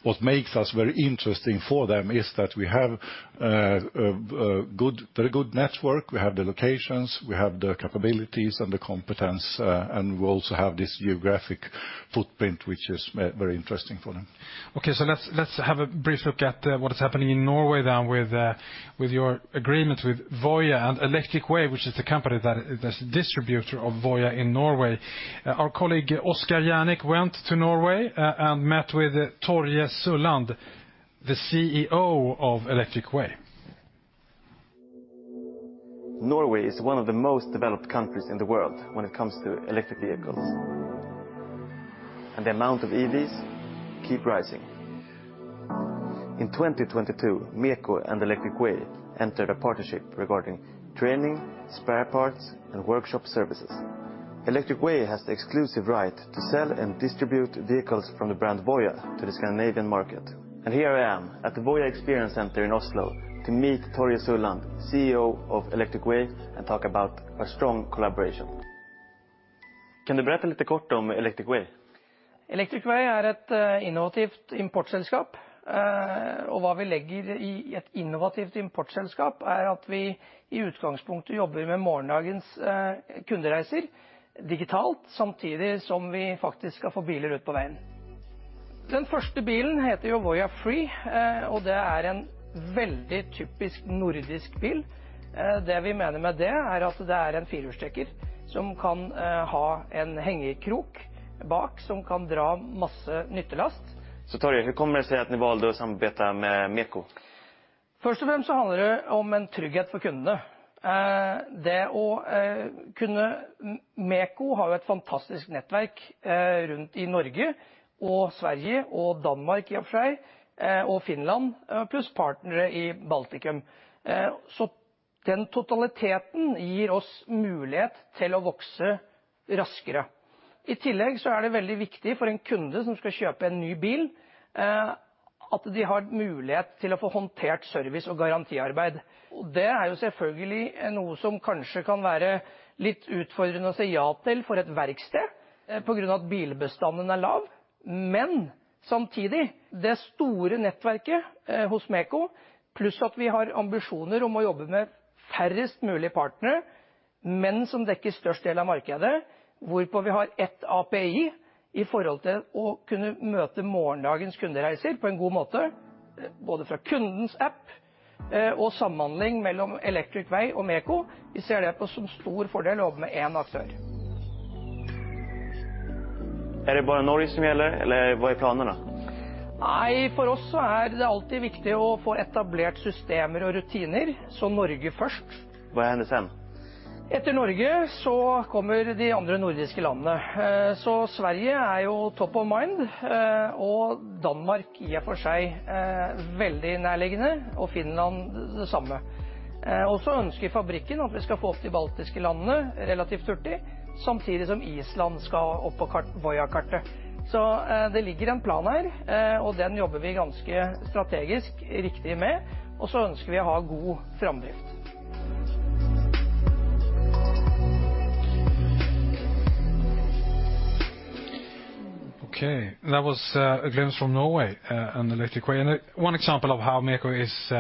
what makes us very interesting for them is that we have a good, very good network. We have the locations, we have the capabilities and the competence, and we also have this geographic footprint, which is very interesting for them. Okay. let's have a brief look at what is happening in Norway then with your agreement with VOYAH and Electric Way, which is the company that is distributor of VOYAH in Norway. Our colleague, Oskar [Janik], went to Norway and met with Torje Sulland, the CEO of Electric Way. Norway is one of the most developed countries in the world when it comes to electric vehicles. The amount of EVs keep rising. In 2022, MEKO and Electric Way entered a partnership regarding training, spare parts, and workshop services. Electric Way has the exclusive right to sell and distribute vehicles from the brand VOYAH to the Scandinavian market. Here I am at the VOYAH Experience Center in Oslo to meet Torje Sulland, CEO of Electric Way, and talk about our strong collaboration. Can you tell us a little about Electric Way? Electric Way is an innovative import company. What we mean by an innovative import company is that we are initially working with tomorrow's customer journeys digitally, while we are actually going to get cars out on the road. Den første bilen heter jo Voya Free, og det er en veldig typisk nordisk bil. Det vi mener med det er at det er en firehjulstrekker som kan, ha en hengerkrok bak som kan dra masse nyttelast. Torje, hvor kommer det seg at dere valgte å samarbeide med MEKO? Først og fremst handler det om en trygghet for kundene. MEKO har jo et fantastisk nettverk, rundt i Norge og Sverige og Danmark i og for seg, og Finland, pluss partnere i Baltikum. Den totaliteten gir oss mulighet til å vokse raskere. I tillegg er det veldig viktig for en kunde som skal kjøpe en ny bil, at de har mulighet til å få håndtert service og garantiarbeid. Det er jo selvfølgelig noe som kanskje kan være litt utfordrende å si ja til for et verksted, på grunn av at bilbestanden er lav. Samtidig, det store nettverket hos MEKO, pluss at vi har ambisjoner om å jobbe med færrest mulig partnere, men som dekker størst del av markedet, hvorpå vi har 1 API i forhold til å kunne møte morgendagens kundereiser på en god måte, både fra kundens app, og samhandling mellom Electric Way og MEKO. Vi ser det på som stor fordel å jobbe med 1 aktør. Er det bare Norge som gjelder, eller hva er planene? Nei, for oss så er det alltid viktig å få etablert systemer og rutiner. Norge først. Hva hennes hen? Etter Norge kommer de andre nordiske landene. Sverige er jo top of mind, og Danmark i og for seg, veldig nærliggende og Finland det samme. Ønsker fabrikken at vi skal få opp de baltiske landene relativt hurtig, samtidig som Island skal opp på VOYAH-kartet. Det ligger en plan her, og den jobber vi ganske strategisk riktig med. Ønsker vi å ha god framdrift. Okay, that was a glimpse from Norway and Electric Way. One example of how MEKO is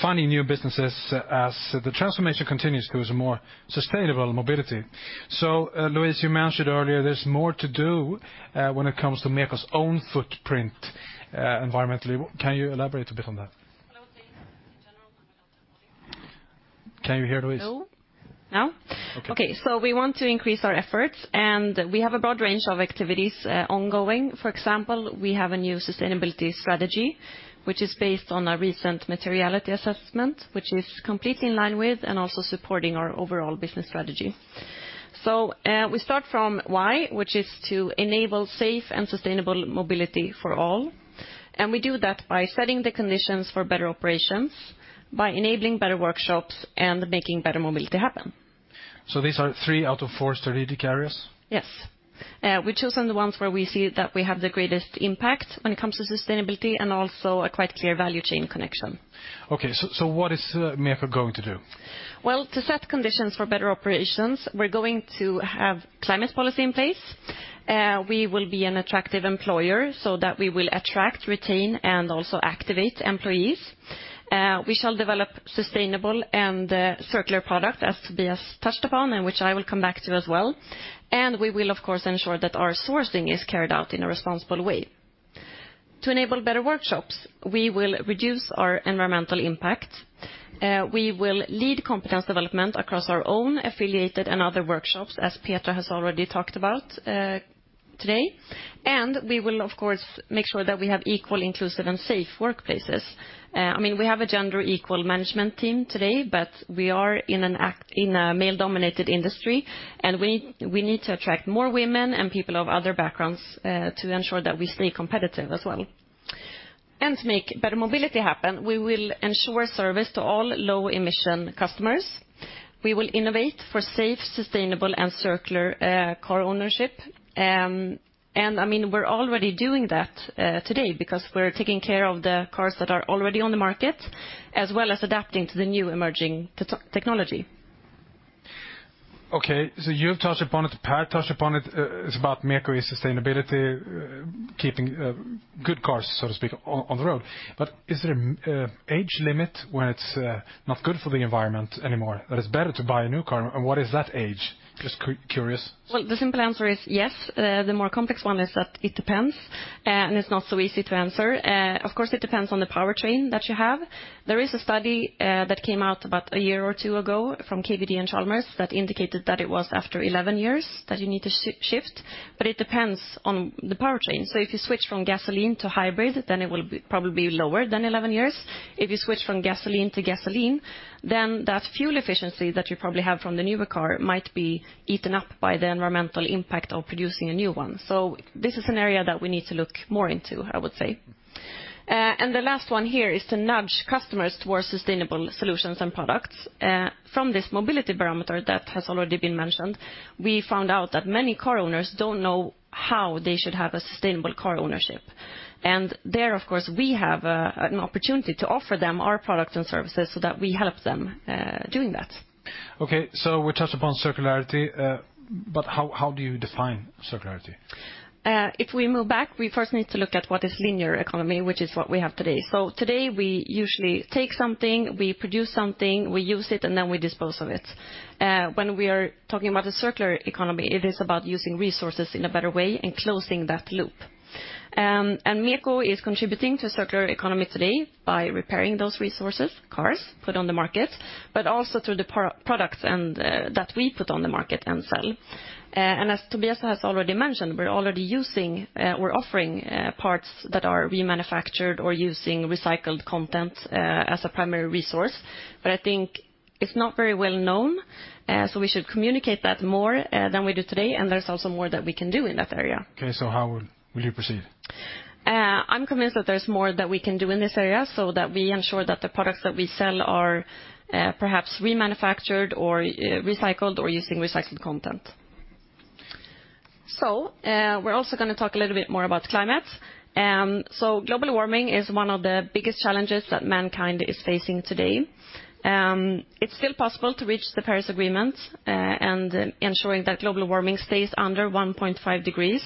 finding new businesses as the transformation continues towards a more sustainable mobility. Louise, you mentioned earlier there's more to do when it comes to MEKO's own footprint environmentally. Can you elaborate a bit on that? Can you hear Louise? No. No? Okay. Okay. We want to increase our efforts, and we have a broad range of activities ongoing. For example, we have a new sustainability strategy, which is based on a recent materiality assessment, which is completely in line with and also supporting our overall business strategy. We start from why, which is to enable safe and sustainable mobility for all. We do that by setting the conditions for better operations, by enabling better workshops and making better mobility happen. These are three out of four strategic areas? Yes. we've chosen the ones where we see that we have the greatest impact when it comes to sustainability and also a quite clear value chain connection. What is MEKO going to do? Well, to set conditions for better operations, we're going to have climate policy in place. We will be an attractive employer so that we will attract, retain and also activate employees. We shall develop sustainable and circular products as Tobias touched upon, and which I will come back to as well. We will of course ensure that our sourcing is carried out in a responsible way. To enable better workshops, we will reduce our environmental impact. We will lead competence development across our own affiliated and other workshops, as Petra has already talked about today. We will of course make sure that we have equal, inclusive and safe workplaces. I mean, we have a gender equal management team today, but we are in a male-dominated industry, and we need to attract more women and people of other backgrounds to ensure that we stay competitive as well. To make better mobility happen, we will ensure service to all low emission customers. We will innovate for safe, sustainable and circular car ownership. I mean, we're already doing that today because we're taking care of the cars that are already on the market, as well as adapting to the new emerging technology. Okay, you've touched upon it, Pehr touched upon it. It's about MEKO's sustainability, keeping good cars, so to speak, on the road. Is there a age limit when it's not good for the environment anymore, that it's better to buy a new car? What is that age? Just curious. Well, the simple answer is yes. The more complex one is that it depends, and it's not so easy to answer. Of course, it depends on the powertrain that you have. There is a study that came out about a year or two ago from [KVD] and Chalmers that indicated that it was after 11 years that you need to shift, but it depends on the powertrain. If you switch from gasoline to hybrid, then it will probably be lower than 11 years. If you switch from gasoline to gasoline, then that fuel efficiency that you probably have from the newer car might be eaten up by the environmental impact of producing a new one. This is an area that we need to look more into, I would say. The last one here is to nudge customers towards sustainable solutions and products. From this Mobility Barometer that has already been mentioned, we found out that many car owners don't know how they should have a sustainable car ownership. There, of course, we have an opportunity to offer them our products and services so that we help them doing that. Okay. We touched upon circularity, how do you define circularity? If we move back, we first need to look at what is linear economy, which is what we have today. Today we usually take something, we produce something, we use it, and then we dispose of it. When we are talking about a circular economy, it is about using resources in a better way and closing that loop. MEKO is contributing to circular economy today by repairing those resources, cars put on the market, but also through the pro-products and that we put on the market and sell. As Tobias has already mentioned, we're already using, we're offering, parts that are remanufactured or using recycled content as a primary resource. I think it's not very well known, so we should communicate that more than we do today, and there's also more that we can do in that area. Okay, how will you proceed? I'm convinced that there's more that we can do in this area so that we ensure that the products that we sell are perhaps remanufactured or recycled, or using recycled content. We're also going to talk a little bit more about climate. Global warming is one of the biggest challenges that mankind is facing today. It's still possible to reach the Paris Agreement and ensuring that global warming stays under 1.5 degrees,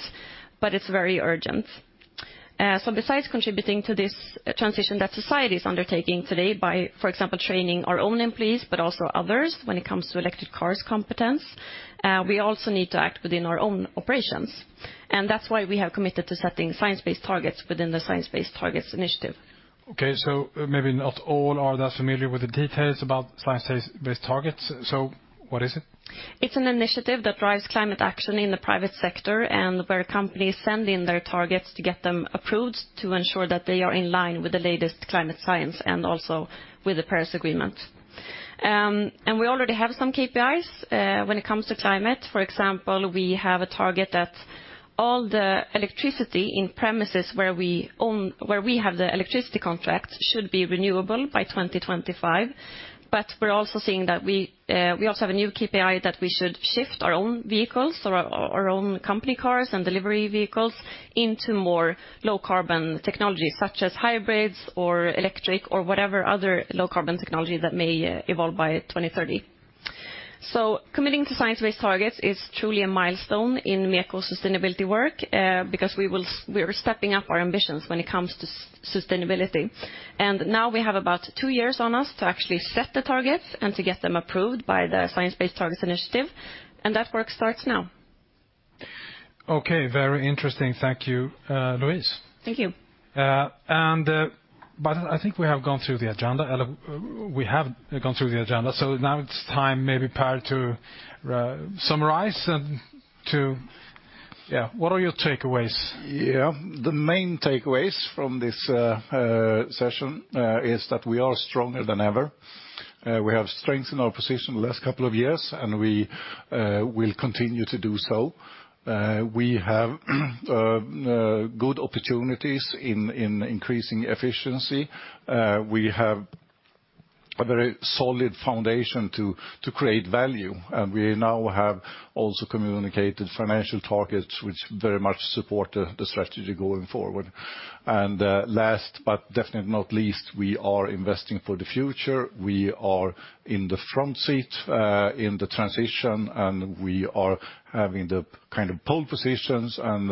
but it's very urgent. Besides contributing to this transition that society is undertaking today by, for example, training our own employees but also others when it comes to electric cars competence, we also need to act within our own operations. That's why we have committed to setting Science-Based Targets within the Science Based Targets initiative. Okay, maybe not all are that familiar with the details about Science-Based Targets, so what is it? It's an initiative that drives climate action in the private sector, where companies send in their targets to get them approved to ensure that they are in line with the latest climate science and also with the Paris Agreement. We already have some KPIs when it comes to climate. For example, we have a target that all the electricity in premises where we have the electricity contract should be renewable by 2025. We're also seeing that we also have a new KPI that we should shift our own vehicles or our own company cars and delivery vehicles into more low carbon technologies, such as hybrids or electric or whatever other low carbon technology that may evolve by 2030. Committing to Science-Based Targets is truly a milestone in MEKO's sustainability work, because we are stepping up our ambitions when it comes to sustainability. Now we have about two years on us to actually set the targets and to get them approved by the Science Based Targets initiative, that work starts now. Okay, very interesting. Thank you, Louise. Thank you. I think we have gone through the agenda. We have gone through the agenda. Now it's time, maybe, Pehr, to summarize. What are your takeaways? Yeah. The main takeaways from this session is that we are stronger than ever. We have strengthened our position the last couple of years, and we will continue to do so. We have good opportunities in increasing efficiency. We have a very solid foundation to create value, and we now have also communicated financial targets which very much support the strategy going forward. Last but definitely not least, we are investing for the future. We are in the front seat in the transition, and we are having the kind of pole positions and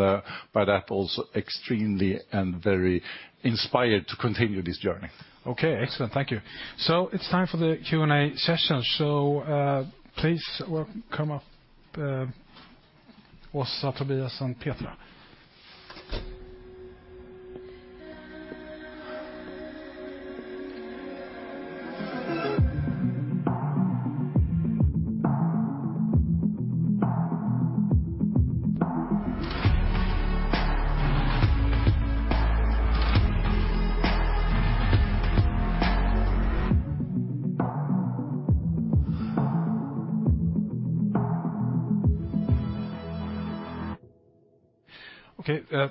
by that also extremely and very inspired to continue this journey. Okay, excellent. Thank you. It's time for the Q&A session. Please come up, Åsa, Tobias, and Petra.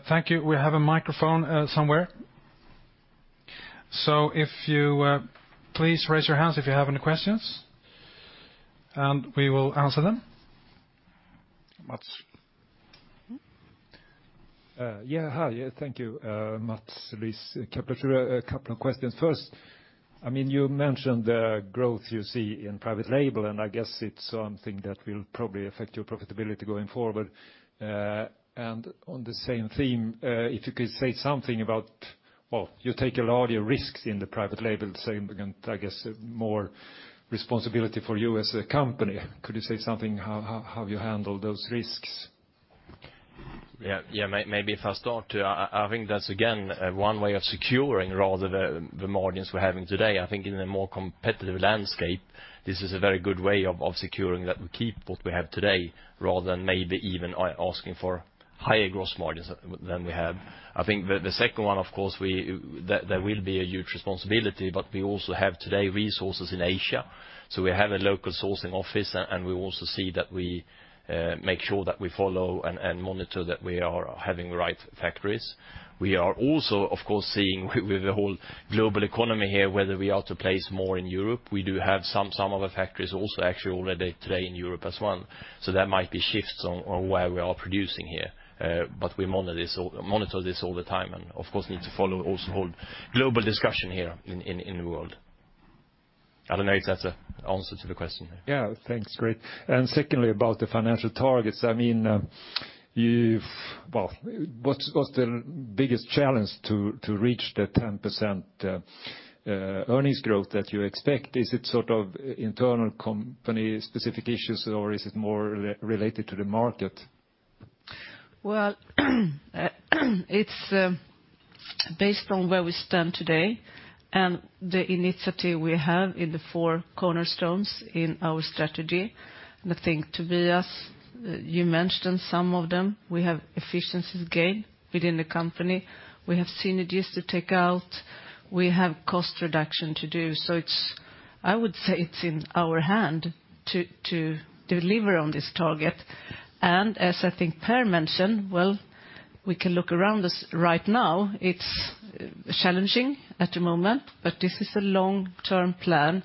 Thank you. We have a microphone somewhere. If you please raise your hands if you have any questions, and we will answer them. Mats? Yeah. Hi, thank you, Mats Liss. A couple of questions. First, I mean, you mentioned the growth you see in private label, I guess it's something that will probably affect your profitability going forward. On the same theme, if you could say something about... Well, you take a lot of your risks in the private label segment, I guess more responsibility for you as a company. Could you say something how you handle those risks? Yeah. Maybe if I start. I think that's again, one way of securing rather the margins we're having today. I think in a more competitive landscape, this is a very good way of securing that we keep what we have today rather than maybe even asking for higher gross margins than we have. I think the second one, of course, there will be a huge responsibility. We also have today resources in Asia. We have a local sourcing office, and we also see that we make sure that we follow and monitor that we are having the right factories. We are also of course seeing with the whole global economy here, whether we are to place more in Europe. We do have some of our factories also actually already today in Europe as one. There might be shifts on where we are producing here. We monitor this all the time and of course need to follow also whole global discussion here in, in the world. I don't know if that's a answer to the question? Yeah. Thanks. Great. Secondly, about the financial targets. I mean, well, what's the biggest challenge to reach the 10% earnings growth that you expect? Is it sort of internal company specific issues, or is it more related to the market? Well, it's based on where we stand today and the initiative we have in the four cornerstones in our strategy. I think, Tobias, you mentioned some of them. We have efficiencies gain within the company. We have synergies to take out. We have cost reduction to do. It's I would say it's in our hand to deliver on this target. As I think Pehr mentioned, well, we can look around us right now. It's challenging at the moment, but this is a long-term plan,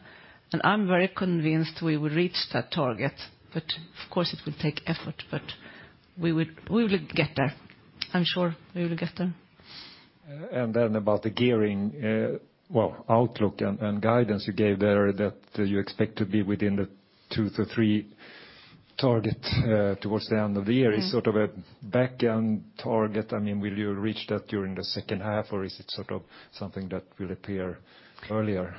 and I'm very convinced we will reach that target. Of course it will take effort, but we will get there. I'm sure we will get there. About the gearing, outlook and guidance you gave there that you expect to be within the [2x-3x] target towards the end of the year is sort of a back-end target. I mean, will you reach that during the second half, or is it sort of something that will appear earlier?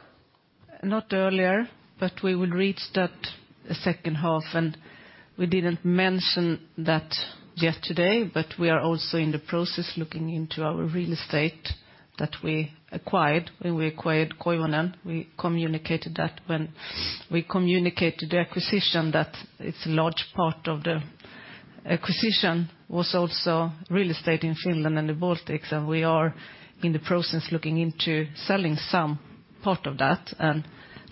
Not earlier, but we will reach that second half. We didn't mention that just today, but we are also in the process looking into our real estate that we acquired when we acquired Koivunen. We communicated that when we communicated the acquisition that it's a large part of the acquisition was also real estate in Finland and the Baltics, and we are in the process looking into selling some part of that.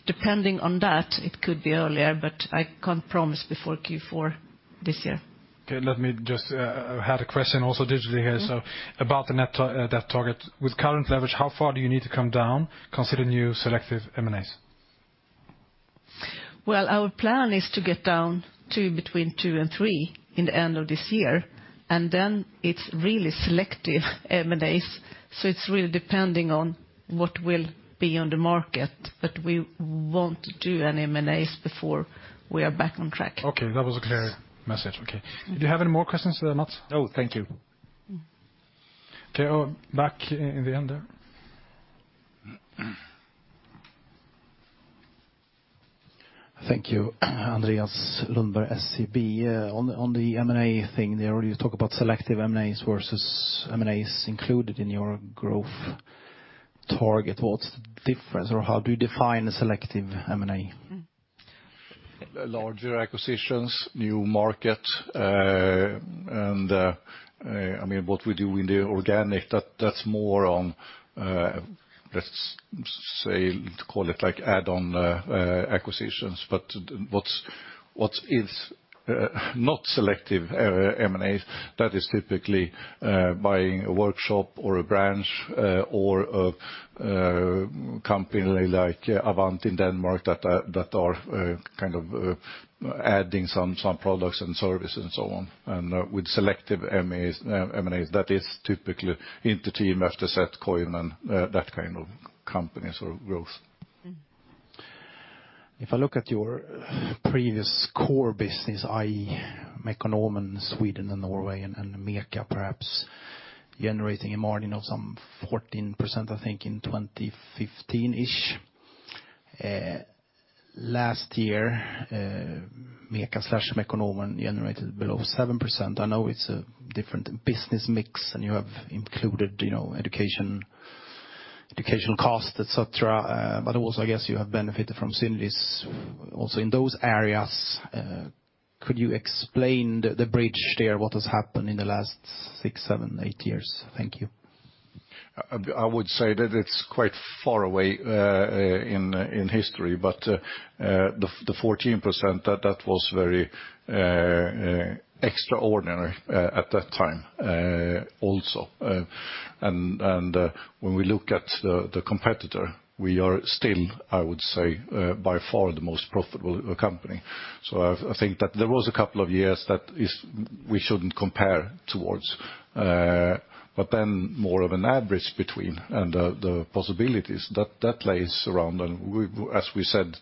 Depending on that, it could be earlier, but I can't promise before Q4 this year. Okay, let me just, I had a question also digitally here. Mm-hmm. about the net debt target. With current leverage, how far do you need to come down considering new selective M&As? Well, our plan is to get down to between [2% and 3%] in the end of this year, and then it's really selective M&As, so it's really depending on what will be on the market. We won't do any M&As before we are back on track. Okay, that was a clear message. Okay. Do you have any more questions, Mats? No, thank you. Okay, back in the end there. Thank you. Andreas Lundberg, SEB. On the M&A thing, you know, you talk about selective M&As versus M&As included in your growth target. What's the difference, or how do you define a selective M&A? Larger acquisitions, new market. I mean, what we do in the organic, that's more on, let's say, call it, like, add-on acquisitions. What is not selective M&As, that is typically buying a workshop or a branch, or a company like Avant in Denmark that are kind of adding some products and services and so on. With selective M&As, that is typically Inter-Team, [Afterset] Koivunen, that kind of companies or growth. If I look at your previous core business, i.e., Mekonomen Sweden and Norway and MECA perhaps generating a margin of some 14% I think in 2015-ish. Last year, MECA/Mekonomen generated below 7%. I know it's a different business mix, and you have included, you know, education, educational costs, et cetera. Also I guess you have benefited from synergies also in those areas. Could you explain the bridge there? What has happened in the last six, seven, eight years? Thank you. I would say that it's quite far away in history. The 14% that was very extraordinary at that time also. When we look at the competitor, we are still, I would say, by far the most profitable company. I think that there was a couple of years that we shouldn't compare towards. Then more of an average between and the possibilities that plays around. We, as we said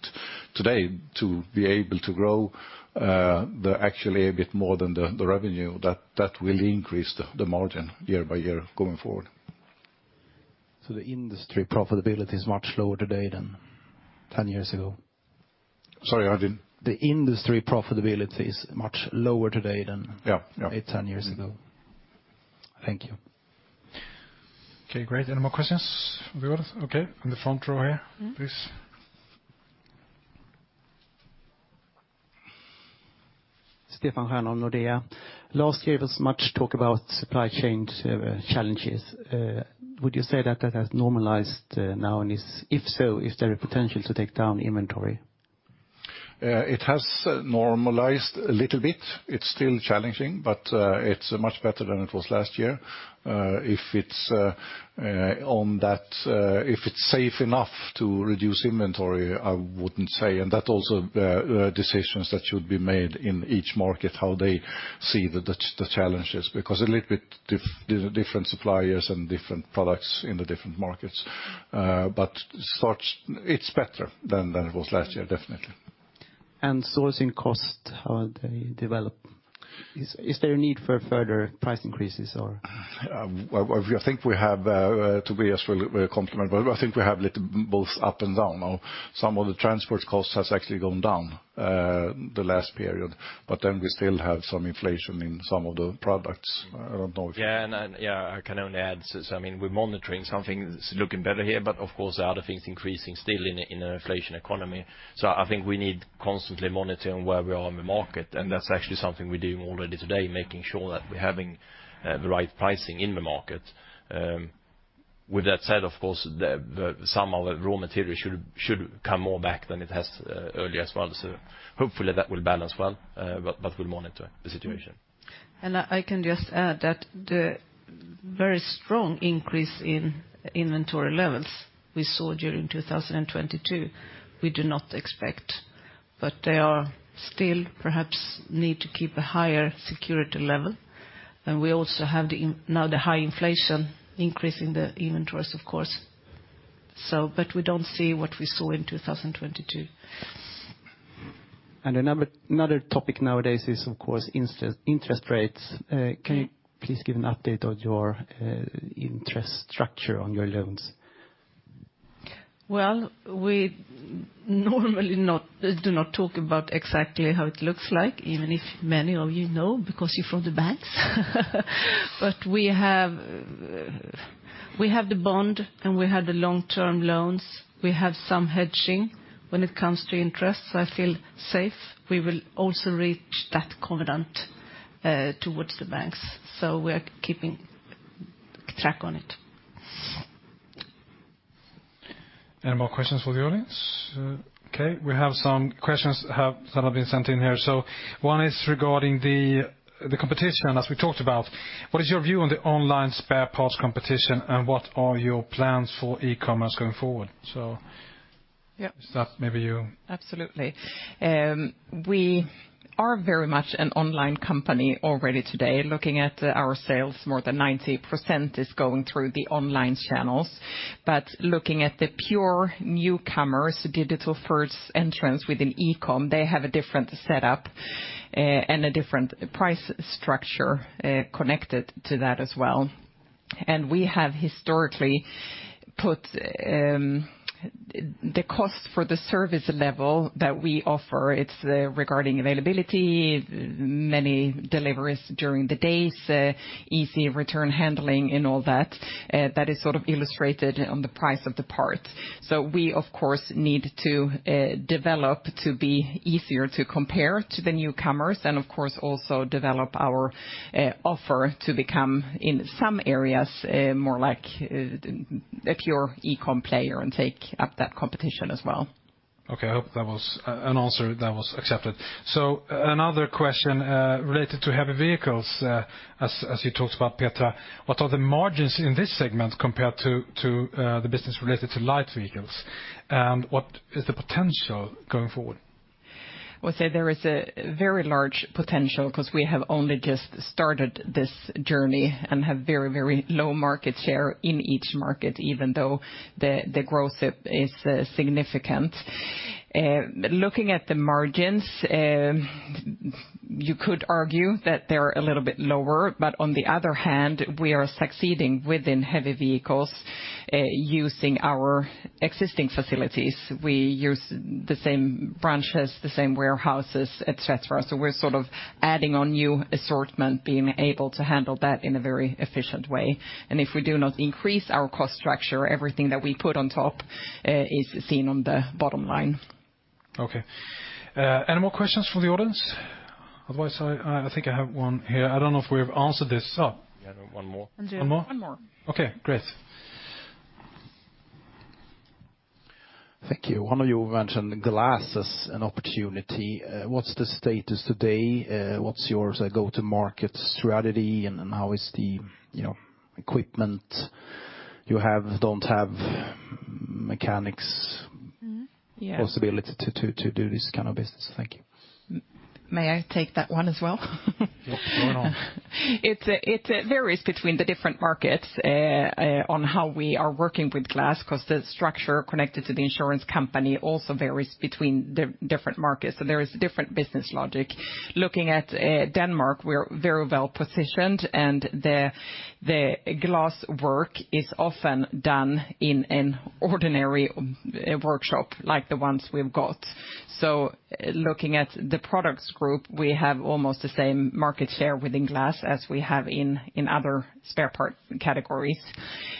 today, to be able to grow actually a bit more than the revenue, that will increase the margin year-by-year going forward. The industry profitability is much lower today than 10 years ago? Sorry, I didn't- The industry profitability is much lower today than- Yeah. Yeah. eight, 10 years ago. Thank you. Okay, great. Any more questions? Okay. In the front row here, please. Stefan Stjernholm, Nordea. Last year was much talk about supply chain challenges. Would you say that that has normalized now, and is... If so, is there a potential to take down inventory? It has normalized a little bit. It's still challenging, but it's much better than it was last year. If it's on that, if it's safe enough to reduce inventory, I wouldn't say. That also, decisions that should be made in each market, how they see the challenges, because a little bit different suppliers and different products in the different markets. It's better than it was last year, definitely. Sourcing cost, how they develop. Is there a need for further price increases or? Well, I think we have to be as compliment, but I think we have little both up and down. Some of the transport costs has actually gone down the last period, but then we still have some inflation in some of the products. I don't know. Yeah, I can only add to this. I mean, we're monitoring some things looking better here, but of course, other things increasing still in an inflation economy. I think we need constantly monitoring where we are in the market, and that's actually something we're doing already today, making sure that we're having the right pricing in the market. With that said, of course, the sum of the raw materials should come more back than it has earlier as well. Hopefully that will balance well, but we'll monitor the situation. I can just add that the very strong increase in inventory levels we saw during 2022, we do not expect. There are still perhaps need to keep a higher security level. We also have the now the high inflation increase in the inventories, of course. We don't see what we saw in 2022. Another topic nowadays is of course, interest rates. Can you please give an update on your interest structure on your loans? We normally do not talk about exactly how it looks like, even if many of you know because you're from the banks. We have the bond, and we have the long-term loans. We have some hedging when it comes to interest, so I feel safe. We will also reach that covenant towards the banks. We are keeping track on it. Any more questions from the audience? Okay, we have some questions have been sent in here. One is regarding the competition, as we talked about. What is your view on the online spare parts competition, and what are your plans for e-commerce going forward? Yeah. Åsa, maybe you? Absolutely. We are very much an online company already today. Looking at our sales, more than 90% is going through the online channels. Looking at the pure newcomers, digital first entrants within e-com, they have a different setup and a different price structure connected to that as well. We have historically put the cost for the service level that we offer, it's regarding availability, many deliveries during the days, easy return handling and all that is sort of illustrated on the price of the part. We of course need to develop to be easier to compare to the newcomers and of course also develop our offer to become, in some areas, more like a pure e-com player and take up that competition as well. Okay. I hope that was an answer that was accepted. Another question, related to heavy vehicles, as you talked about, Petra. What are the margins in this segment compared to the business related to light vehicles? What is the potential going forward? I would say there is a very large potential because we have only just started this journey and have very, very low market share in each market, even though the growth is significant. Looking at the margins, you could argue that they're a little bit lower, but on the other hand, we are succeeding within heavy vehicles, using our existing facilities. We use the same branches, the same warehouses, et cetera. We're sort of adding on new assortment, being able to handle that in a very efficient way. If we do not increase our cost structure, everything that we put on top is seen on the bottom line. Okay. Any more questions from the audience? Otherwise, I think I have one here. I don't know if we have answered this. Yeah. One more. And do- One more? One more. Okay, great. Thank you. One of you mentioned glass as an opportunity. What's the status today? What's your, say, go-to-market strategy and how is the, you know, equipment you have, don't have mechanics- Mm-hmm. Yeah.... possibility to do this kind of business? Thank you. May I take that one as well? Yeah. Go on. It varies between the different markets on how we are working with glass, because the structure connected to the insurance company also varies between the different markets. There is different business logic. Looking at Denmark, we are very well positioned, and the glass work is often done in an ordinary workshop like the ones we've got. Looking at the products group, we have almost the same market share within glass as we have in other spare part categories.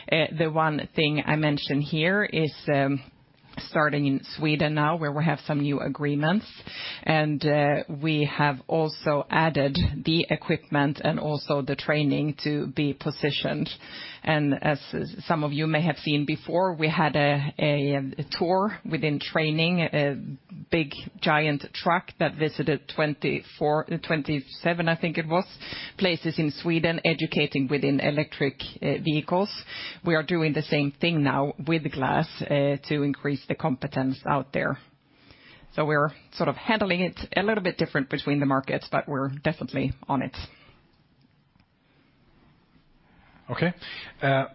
The one thing I mention here is starting in Sweden now, where we have some new agreements, and we have also added the equipment and also the training to be positioned. As some of you may have seen before, we had a tour within training, a big giant truck that visited 24... 27, I think it was, places in Sweden educating within electric vehicles. We are doing the same thing now with glass to increase the competence out there. We're sort of handling it a little bit different between the markets, but we're definitely on it. Okay.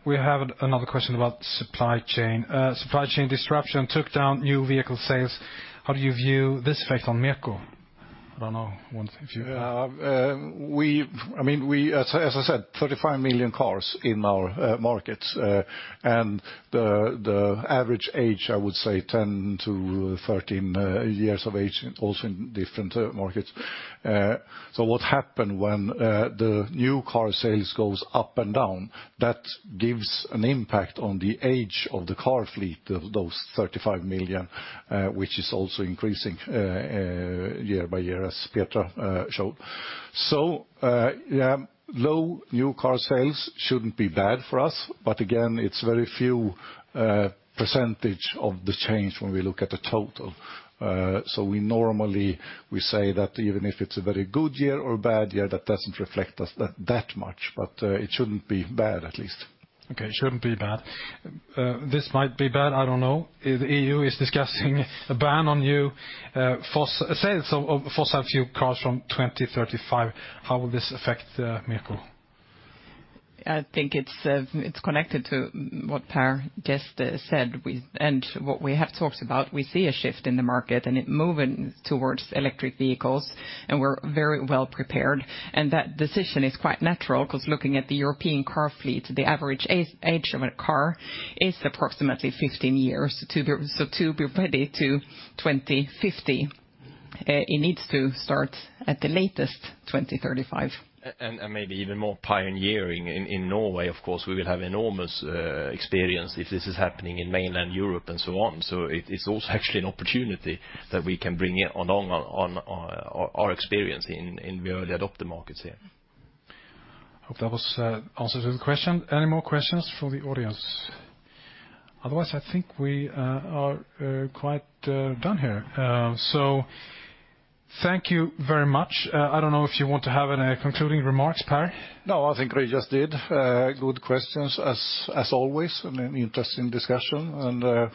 We have another question about supply chain. Supply chain disruption took down new vehicle sales. How do you view this effect on MEKO? I don't know. I mean, As I said, 35 million cars in our markets. The average age, I would say 10-13 years of age, also in different markets. What happen when the new car sales goes up and down, that gives an impact on the age of the car fleet of those 35 million, which is also increasing year-by-year as Petra showed. Yeah, low new car sales shouldn't be bad for us. Again, it's very few percentage of the change when we look at the total. We normally we say that even if it's a very good year or bad year, that doesn't reflect us that much, but it shouldn't be bad, at least. Okay, it shouldn't be bad. This might be bad, I don't know, if the EU is discussing a ban on new sales of fossil fuel cars from 2035. How will this affect MEKO? I think it's connected to what Pehr just said. What we have talked about, we see a shift in the market, and it moving towards electric vehicles, and we're very well prepared. That decision is quite natural 'cause looking at the European car fleet, the average age of a car is approximately 15 years to be... To be ready to 2050, it needs to start at the latest, 2035. Maybe even more pioneering in Norway, of course, we will have enormous experience if this is happening in mainland Europe and so on. It's also actually an opportunity that we can bring along on our experience in the early adopter markets here. Hope that was answer to the question. Any more questions from the audience? Otherwise, I think we are quite done here. Thank you very much. I don't know if you want to have any concluding remarks, Pehr. No, I think we just did. Good questions as always, an interesting discussion.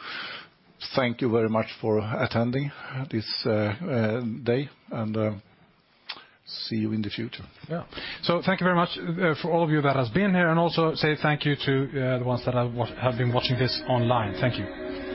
Thank you very much for attending this day, and see you in the future. Yeah. Thank you very much for all of you that has been here, and also say thank you to the ones that have been watching this online. Thank you.